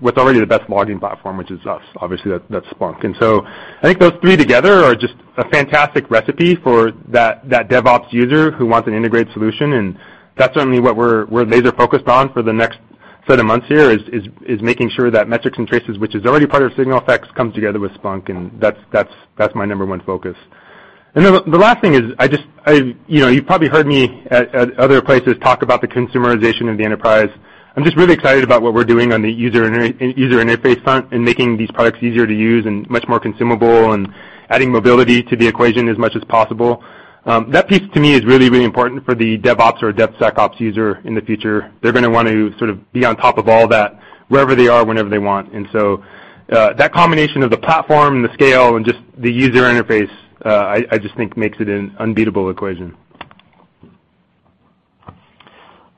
what's already the best logging platform, which is us, obviously, that's Splunk. I think those three together are just a fantastic recipe for that DevOps user who wants an integrated solution, and that's certainly what we're laser focused on for the next set of months here, is making sure that metrics and traces, which is already part of SignalFx, comes together with Splunk, and that's my number one focus. The last thing is, you've probably heard me at other places talk about the consumerization of the enterprise. I'm just really excited about what we're doing on the user interface front and making these products easier to use and much more consumable and adding mobility to the equation as much as possible. That piece to me is really important for the DevOps or DevSecOps user in the future. They're going to want to sort of be on top of all that, wherever they are, whenever they want. That combination of the platform, the scale, and just the user interface, I just think makes it an unbeatable equation.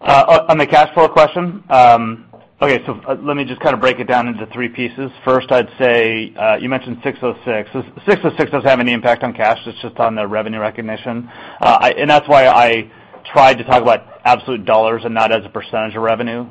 On the cash flow question, let me just kind of break it down into three pieces. First, I'd say, you mentioned 606. 606 doesn't have any impact on cash, it's just on the revenue recognition. That's why I tried to talk about absolute dollars and not as a percentage of revenue,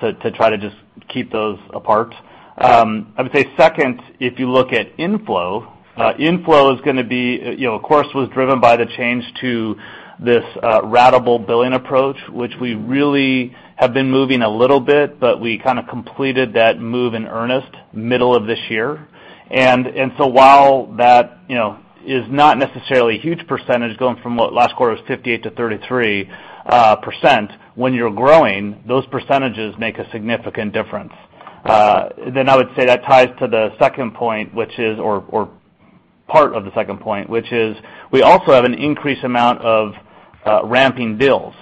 to try to just keep those apart. I would say second, if you look at inflow of course, was driven by the change to this ratable billing approach, which we really have been moving a little bit, but we kind of completed that move in earnest middle of this year. While that is not necessarily a huge percentage going from what last quarter was 58% to 33%, when you're growing, those percentages make a significant difference. I would say that ties to the second point, or part of the second point, which is we also have an increased amount of ramping bills.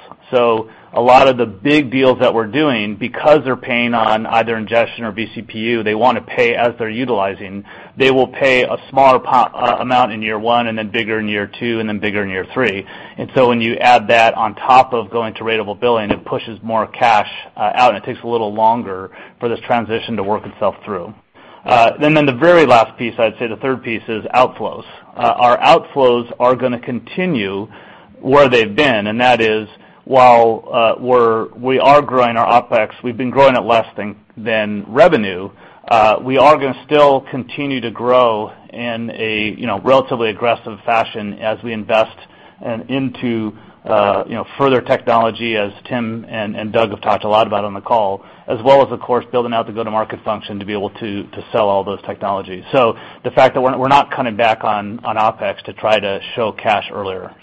A lot of the big deals that we're doing, because they're paying on either ingestion or vCPU, they want to pay as they're utilizing. They will pay a smaller amount in year one and then bigger in year two and then bigger in year three. When you add that on top of going to ratable billing, it pushes more cash out and it takes a little longer for this transition to work itself through. The very last piece, I'd say the third piece is outflows. Our outflows are going to continue where they've been, and that is, while we are growing our OPEX, we've been growing at less than revenue. We are going to still continue to grow in a relatively aggressive fashion as we invest into further technology, as Tim and Doug have talked a lot about on the call, as well as, of course, building out the go-to-market function to be able to sell all those technologies. The fact that we're not cutting back on OPEX to try to show cash earlier.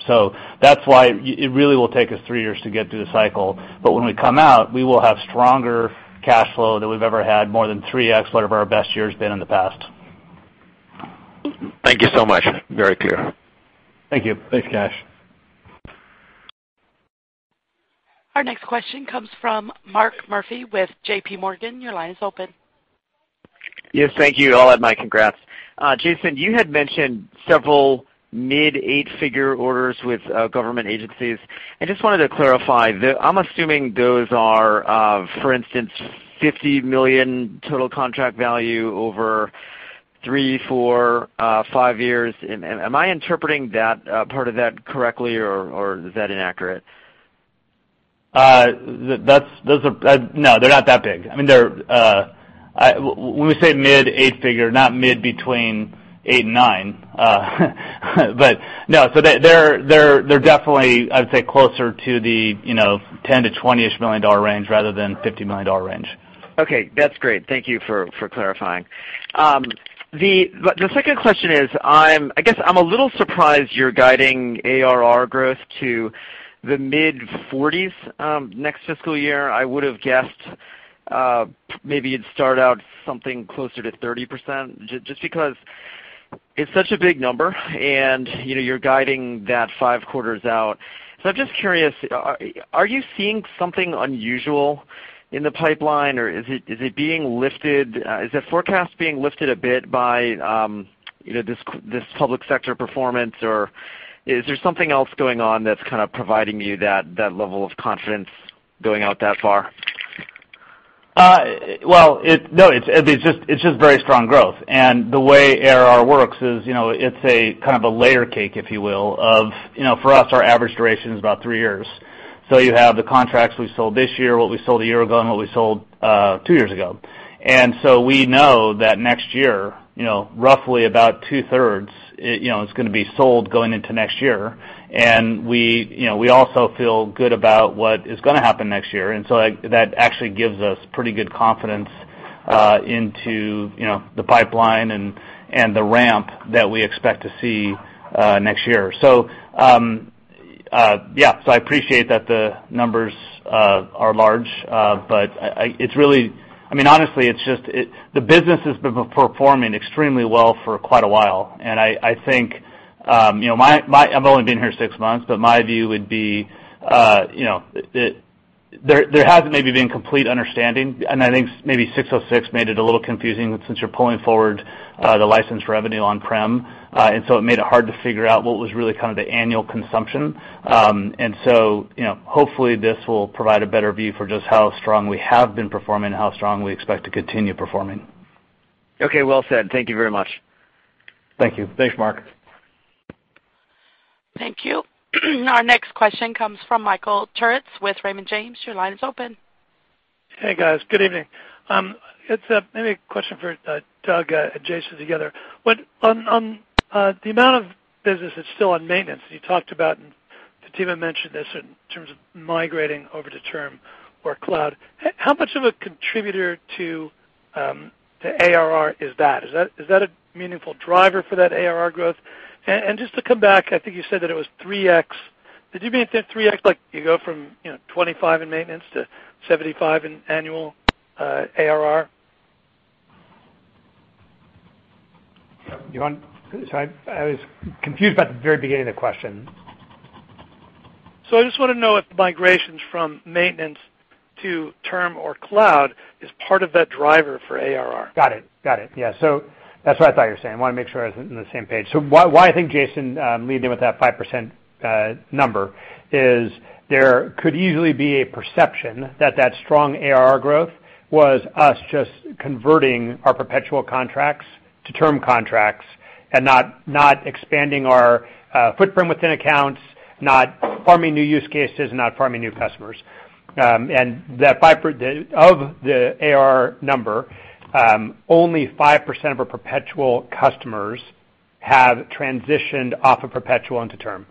That's why it really will take us three years to get through the cycle. When we come out, we will have stronger cash flow than we've ever had, more than three x what our best year's been in the past. Thank you so much. Very clear. Thank you. Thanks, Kash. Our next question comes from Mark Murphy with JPMorgan. Your line is open. Yes, thank you. I'll add my congrats. Jason, you had mentioned several mid eight-figure orders with government agencies. I just wanted to clarify. I'm assuming those are, for instance, $50 million total contract value over three, four, five years. Am I interpreting that part of that correctly, or is that inaccurate? No, they're not that big. When we say mid eight-figure, not mid between eight and nine. No. They're definitely, I would say, closer to the 10 to $20-ish million range rather than $50 million range. Okay, that's great. Thank you for clarifying. The second question is, I guess I'm a little surprised you're guiding ARR growth to the mid-40s next fiscal year. I would've guessed maybe you'd start out something closer to 30%, just because it's such a big number, and you're guiding that five quarters out. I'm just curious, are you seeing something unusual in the pipeline, or is it being lifted? Is that forecast being lifted a bit by this Public Sector performance, or is there something else going on that's kind of providing you that level of confidence going out that far? Well, no. It's just very strong growth. The way ARR works is, it's a kind of a layer cake, if you will, of, for us, our average duration is about three years. You have the contracts we sold this year, what we sold a year ago, and what we sold two years ago. We know that next year, roughly about two-thirds is going to be sold going into next year. We also feel good about what is going to happen next year, and so that actually gives us pretty good confidence into the pipeline and the ramp that we expect to see next year. Yeah. I appreciate that the numbers are large. Honestly, the business has been performing extremely well for quite a while, and I think, I've only been here six months, but my view would be there has maybe been complete understanding, and I think maybe 606 made it a little confusing since you're pulling forward the license revenue on-prem. It made it hard to figure out what was really kind of the annual consumption. Hopefully this will provide a better view for just how strong we have been performing and how strong we expect to continue performing. Okay, well said. Thank you very much. Thank you. Thanks, Mark. Thank you. Our next question comes from Michael Turits with Raymond James. Your line is open. Hey, guys. Good evening. It's maybe a question for Doug and Jason together. On the amount of business that's still on maintenance, you talked about, and Fatima mentioned this in terms of migrating over to term or cloud. How much of a contributor to ARR is that? Is that a meaningful driver for that ARR growth? Just to come back, I think you said that it was three x. Did you mean three x, like you go from 25 in maintenance to 75 in annual ARR? Sorry, I was confused by the very beginning of the question. I just want to know if migrations from maintenance to term or cloud is part of that driver for ARR? Got it. Yeah. That's what I thought you were saying. I want to make sure I was on the same page. Why I think Jason leaned in with that 5% number is there could easily be a perception that strong ARR growth was us just converting our perpetual contracts to term contracts and not expanding our footprint within accounts, not farming new use cases, and not farming new customers. Of the ARR number, only 5% of our perpetual customers have transitioned off of perpetual into term.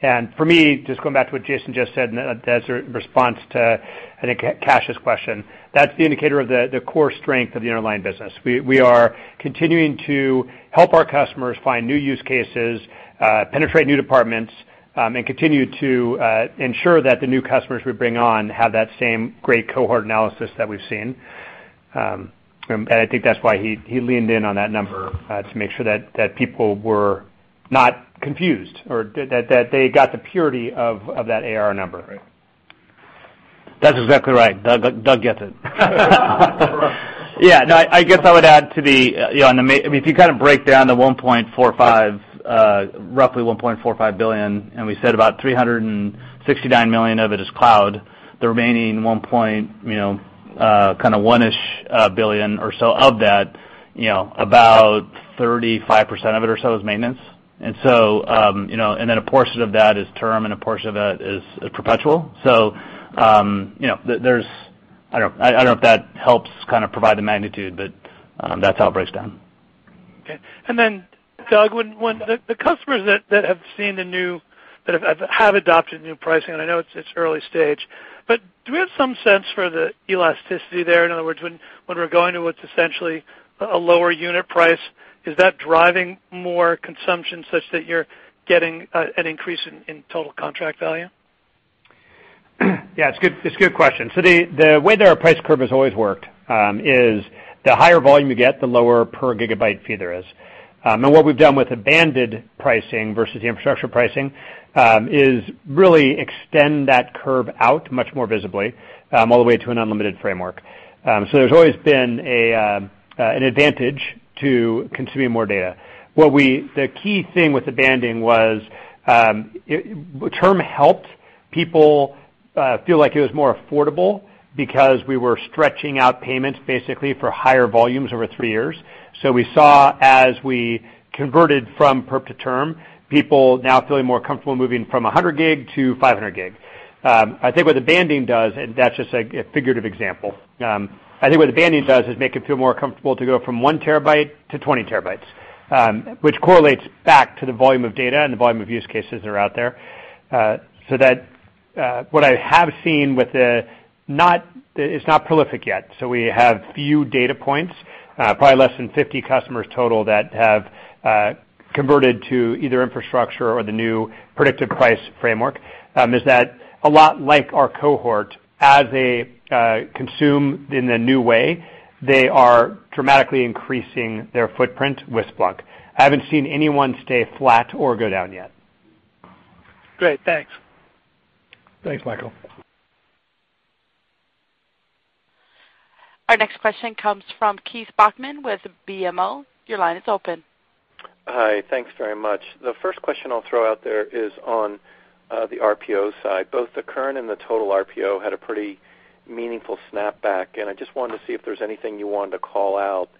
For me, just going back to what Jason just said in response to, I think, Kash's question, that's the indicator of the core strength of the underlying business. We are continuing to help our customers find new use cases, penetrate new departments, and continue to ensure that the new customers we bring on have that same great cohort analysis that we've seen. I think that's why he leaned in on that number, to make sure that people were not confused or that they got the purity of that ARR number. That's exactly right. Doug gets it. Yeah, no, I guess I would add to the If you kind of break down the roughly $1.45 billion, we said about $369 million of it is cloud, the remaining one-ish billion or so of that, about 35% of it or so is maintenance. A portion of that is term, and a portion of it is perpetual. I don't know if that helps kind of provide the magnitude, but that's how it breaks down. Okay. Doug, the customers that have adopted new pricing, and I know it's early stage, but do we have some sense for the elasticity there? In other words, when we're going to what's essentially a lower unit price, is that driving more consumption such that you're getting an increase in total contract value? Yeah, it's a good question. The way that our price curve has always worked is the higher volume you get, the lower per gigabyte fee there is. What we've done with banded pricing versus infrastructure pricing is really extend that curve out much more visibly all the way to an unlimited framework. There's always been an advantage to consuming more data. The key thing with the banding was term helped people feel like it was more affordable because we were stretching out payments basically for higher volumes over three years. We saw as we converted from perp to term, people now feeling more comfortable moving from 100 gig to 500 gig. I think what the banding does, and that's just a figurative example, I think what the banding does is make it feel more comfortable to go from one terabyte to 20 terabytes, which correlates back to the volume of data and the volume of use cases that are out there. What I have seen, it's not prolific yet, so we have few data points, probably less than 50 customers total that have converted to either infrastructure or the new predictive price framework, is that a lot like our cohort, as they consume in a new way, they are dramatically increasing their footprint with Splunk. I haven't seen anyone stay flat or go down yet. Great. Thanks. Thanks, Michael. Our next question comes from Keith Bachman with BMO. Your line is open. Hi. Thanks very much. The first question I'll throw out there is on the RPO side, both the current and the total RPO had a pretty meaningful snapback, and I just wanted to see if there's anything you wanted to call out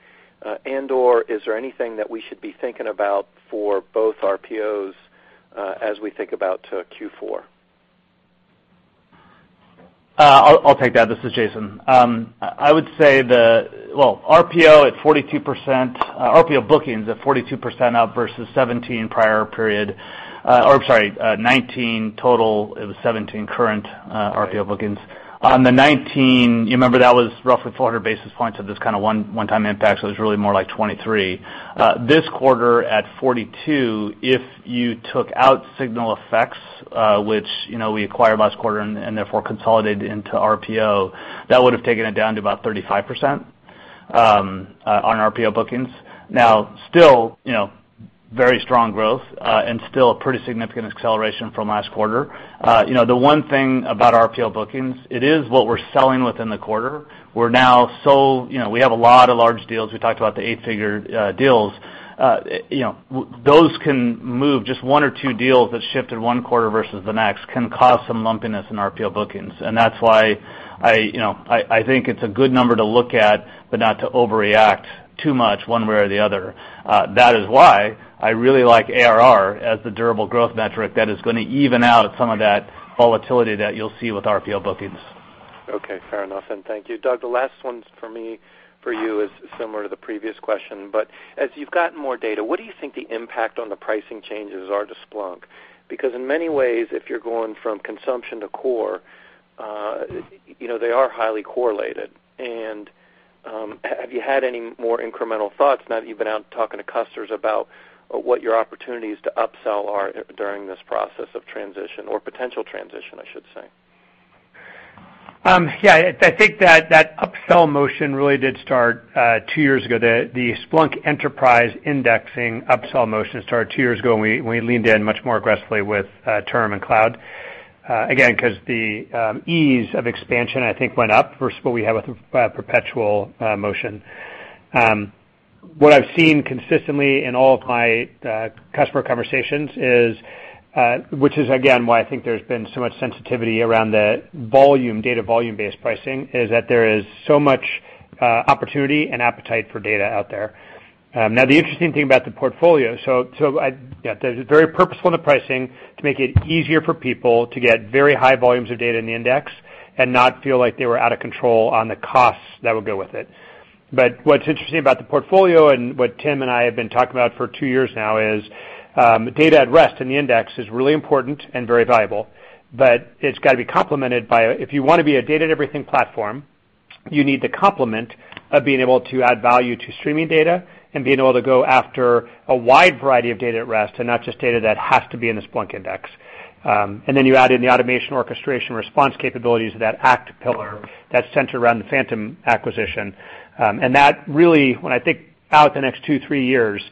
and/or is there anything that we should be thinking about for both RPOs as we think about Q4? I'll take that. This is Jason. I would say the, well, RPO at 42%, RPO bookings at 42% up versus 17 prior period. I'm sorry, 19 total, it was 17 current RPO bookings. On the 19, you remember that was roughly 400 basis points of this kind of one-time impact, so it was really more like 23. This quarter at 42, if you took out SignalFx, which we acquired last quarter and therefore consolidated into RPO, that would've taken it down to about 35% on RPO bookings. Still very strong growth, and still a pretty significant acceleration from last quarter. The one thing about RPO bookings, it is what we're selling within the quarter. We have a lot of large deals. We talked about the eight-figure deals. Those can move just one or two deals that shift in one quarter versus the next can cause some lumpiness in RPO bookings. And that's why I think it's a good number to look at, but not to overreact too much one way or the other. That is why I really like ARR as the durable growth metric that is going to even out some of that volatility that you'll see with RPO bookings. Okay, fair enough, thank you. Doug, the last one for me for you is similar to the previous question, as you've gotten more data, what do you think the impact on the pricing changes are to Splunk? In many ways, if you're going from consumption to core, they are highly correlated. Have you had any more incremental thoughts now that you've been out talking to customers about what your opportunities to upsell are during this process of transition or potential transition, I should say? Yeah, I think that upsell motion really did start two years ago. The Splunk Enterprise indexing upsell motion started two years ago, and we leaned in much more aggressively with term and cloud. Again, because the ease of expansion, I think, went up versus what we have with perpetual motion. What I've seen consistently in all of my customer conversations is, which is again, why I think there's been so much sensitivity around the data volume-based pricing, is that there is so much opportunity and appetite for data out there. Now, the interesting thing about the portfolio, so there's very purposeful in the pricing to make it easier for people to get very high volumes of data in the index and not feel like they were out of control on the costs that would go with it. What's interesting about the portfolio and what Tim and I have been talking about for two years now is, data at rest in the index is really important and very valuable, but it's got to be complemented by, if you want to be a Data-to-Everything platform, you need the complement of being able to add value to streaming data and being able to go after a wide variety of data at rest, and not just data that has to be in the Splunk index. You add in the automation orchestration response capabilities of that ACT pillar that's centered around the Phantom acquisition. That really, when I think out the next two, three years,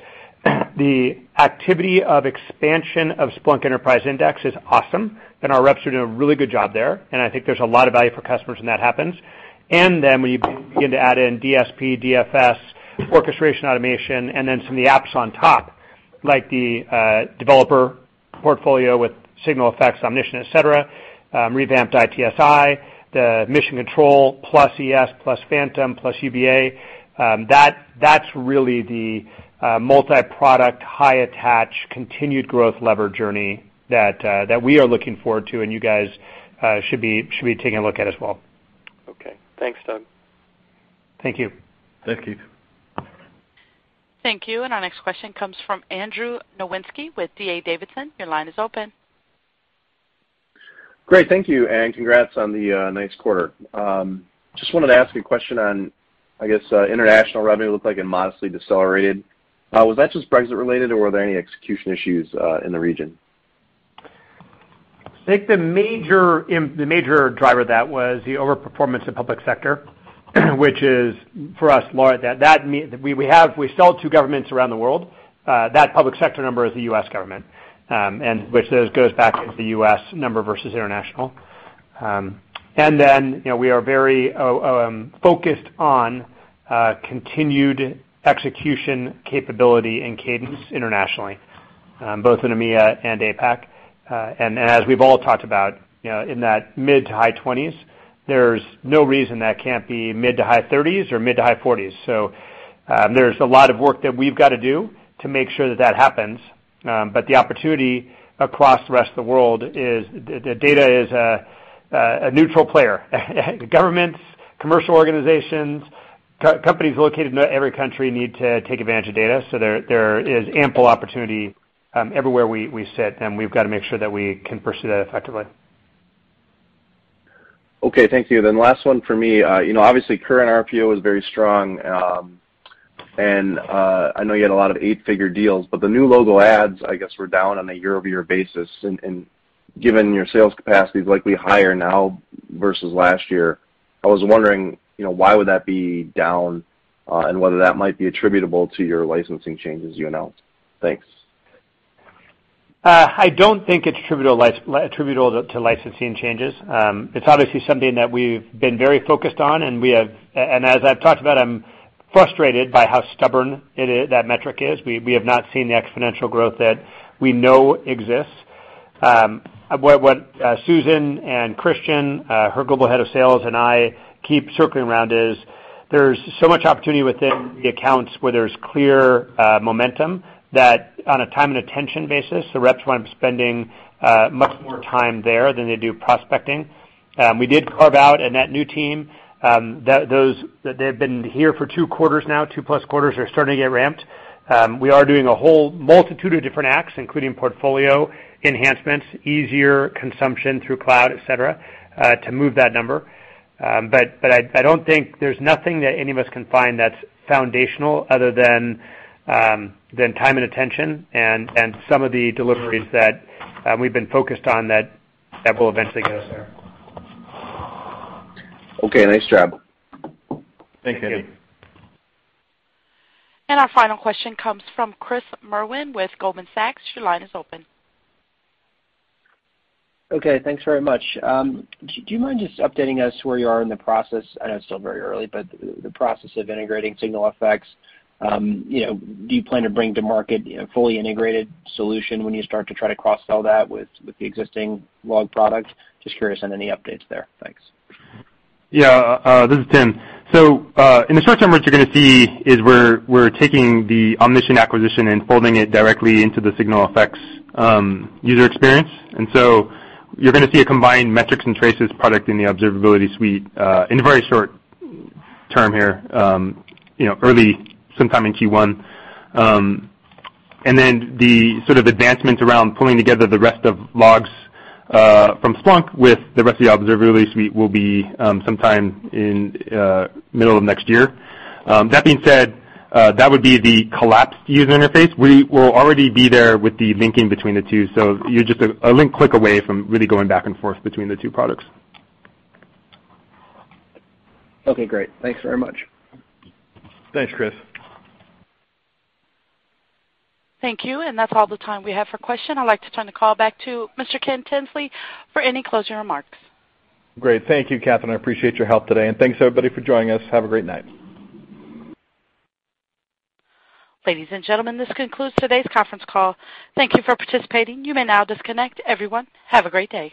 the activity of expansion of Splunk Enterprise Index is awesome, and our reps are doing a really good job there, and I think there's a lot of value for customers when that happens. When you begin to add in DSP, DFS, orchestration automation, and then some of the apps on top, like the developer portfolio with SignalFx, Omnition, et cetera, revamped ITSI, the Mission Control plus ES plus Phantom plus UBA, that's really the multi-product, high attach, continued growth lever journey that we are looking forward to and you guys should be taking a look at as well. Okay. Thanks, Doug. Thank you. Thanks, Keith. Thank you. Our next question comes from Andrew Nowinski with D.A. Davidson. Your line is open. Great. Thank you, and congrats on the nice quarter. Just wanted to ask a question on. I guess international revenue looked like it modestly decelerated. Was that just Brexit related or were there any execution issues in the region? I think the major driver of that was the over-performance of public sector, which is for us large. We sell to governments around the world. That public sector number is the U.S. government, which goes back into the U.S. number versus international. We are very focused on continued execution capability and cadence internationally, both in EMEA and APAC. As we've all talked about, in that mid to high twenties, there's no reason that can't be mid to high thirties or mid to high forties. There's a lot of work that we've got to do to make sure that that happens. The opportunity across the rest of the world is, the data is a neutral player. Governments, commercial organizations, companies located in every country need to take advantage of data. There is ample opportunity everywhere we sit, and we've got to make sure that we can pursue that effectively. Okay, thank you. Last one for me. Obviously current RPO is very strong. I know you had a lot of eight-figure deals, but the new logo adds, I guess, were down on a year-over-year basis. Given your sales capacity is likely higher now versus last year, I was wondering, why would that be down and whether that might be attributable to your licensing changes you announced. Thanks. I don't think it's attributable to licensing changes. It's obviously something that we've been very focused on. As I've talked about, I'm frustrated by how stubborn that metric is. We have not seen the exponential growth that we know exists. What Susan and Christian, her global head of sales, and I keep circling around is, there's so much opportunity within the accounts where there's clear momentum, that on a time and attention basis, the reps wind up spending much more time there than they do prospecting. We did carve out. That new team, they've been here for two quarters now, two-plus quarters, they're starting to get ramped. We are doing a whole multitude of different acts, including portfolio enhancements, easier consumption through cloud, et cetera, to move that number. I don't think there's nothing that any of us can find that's foundational other than time and attention and some of the deliveries that we've been focused on that will eventually get us there. Okay. Nice job. Thanks, Andrew. Our final question comes from Chris Merwin with Goldman Sachs. Your line is open. Okay, thanks very much. Do you mind just updating us where you are in the process, I know it's still very early, but the process of integrating SignalFx. Do you plan to bring to market a fully integrated solution when you start to try to cross-sell that with the existing log product? Just curious on any updates there. Thanks. Yeah, this is Tim. In the short term, what you're going to see is we're taking the Omnition acquisition and folding it directly into the SignalFx user experience. You're going to see a combined metrics and traces product in the observability suite, in the very short term here, early, sometime in Q1. The sort of advancements around pulling together the rest of logs from Splunk with the rest of the observability suite will be sometime in middle of next year. That being said, that would be the collapsed user interface. We will already be there with the linking between the two, so you're just a link click away from really going back and forth between the two products. Okay, great. Thanks very much. Thanks, Chris. Thank you, that's all the time we have for questions. I'd like to turn the call back to Mr. Ken Tinsley for any closing remarks. Great. Thank you, Catherine, I appreciate your help today. Thanks everybody for joining us. Have a great night. Ladies and gentlemen, this concludes today's conference call. Thank you for participating. You may now disconnect. Everyone, have a great day.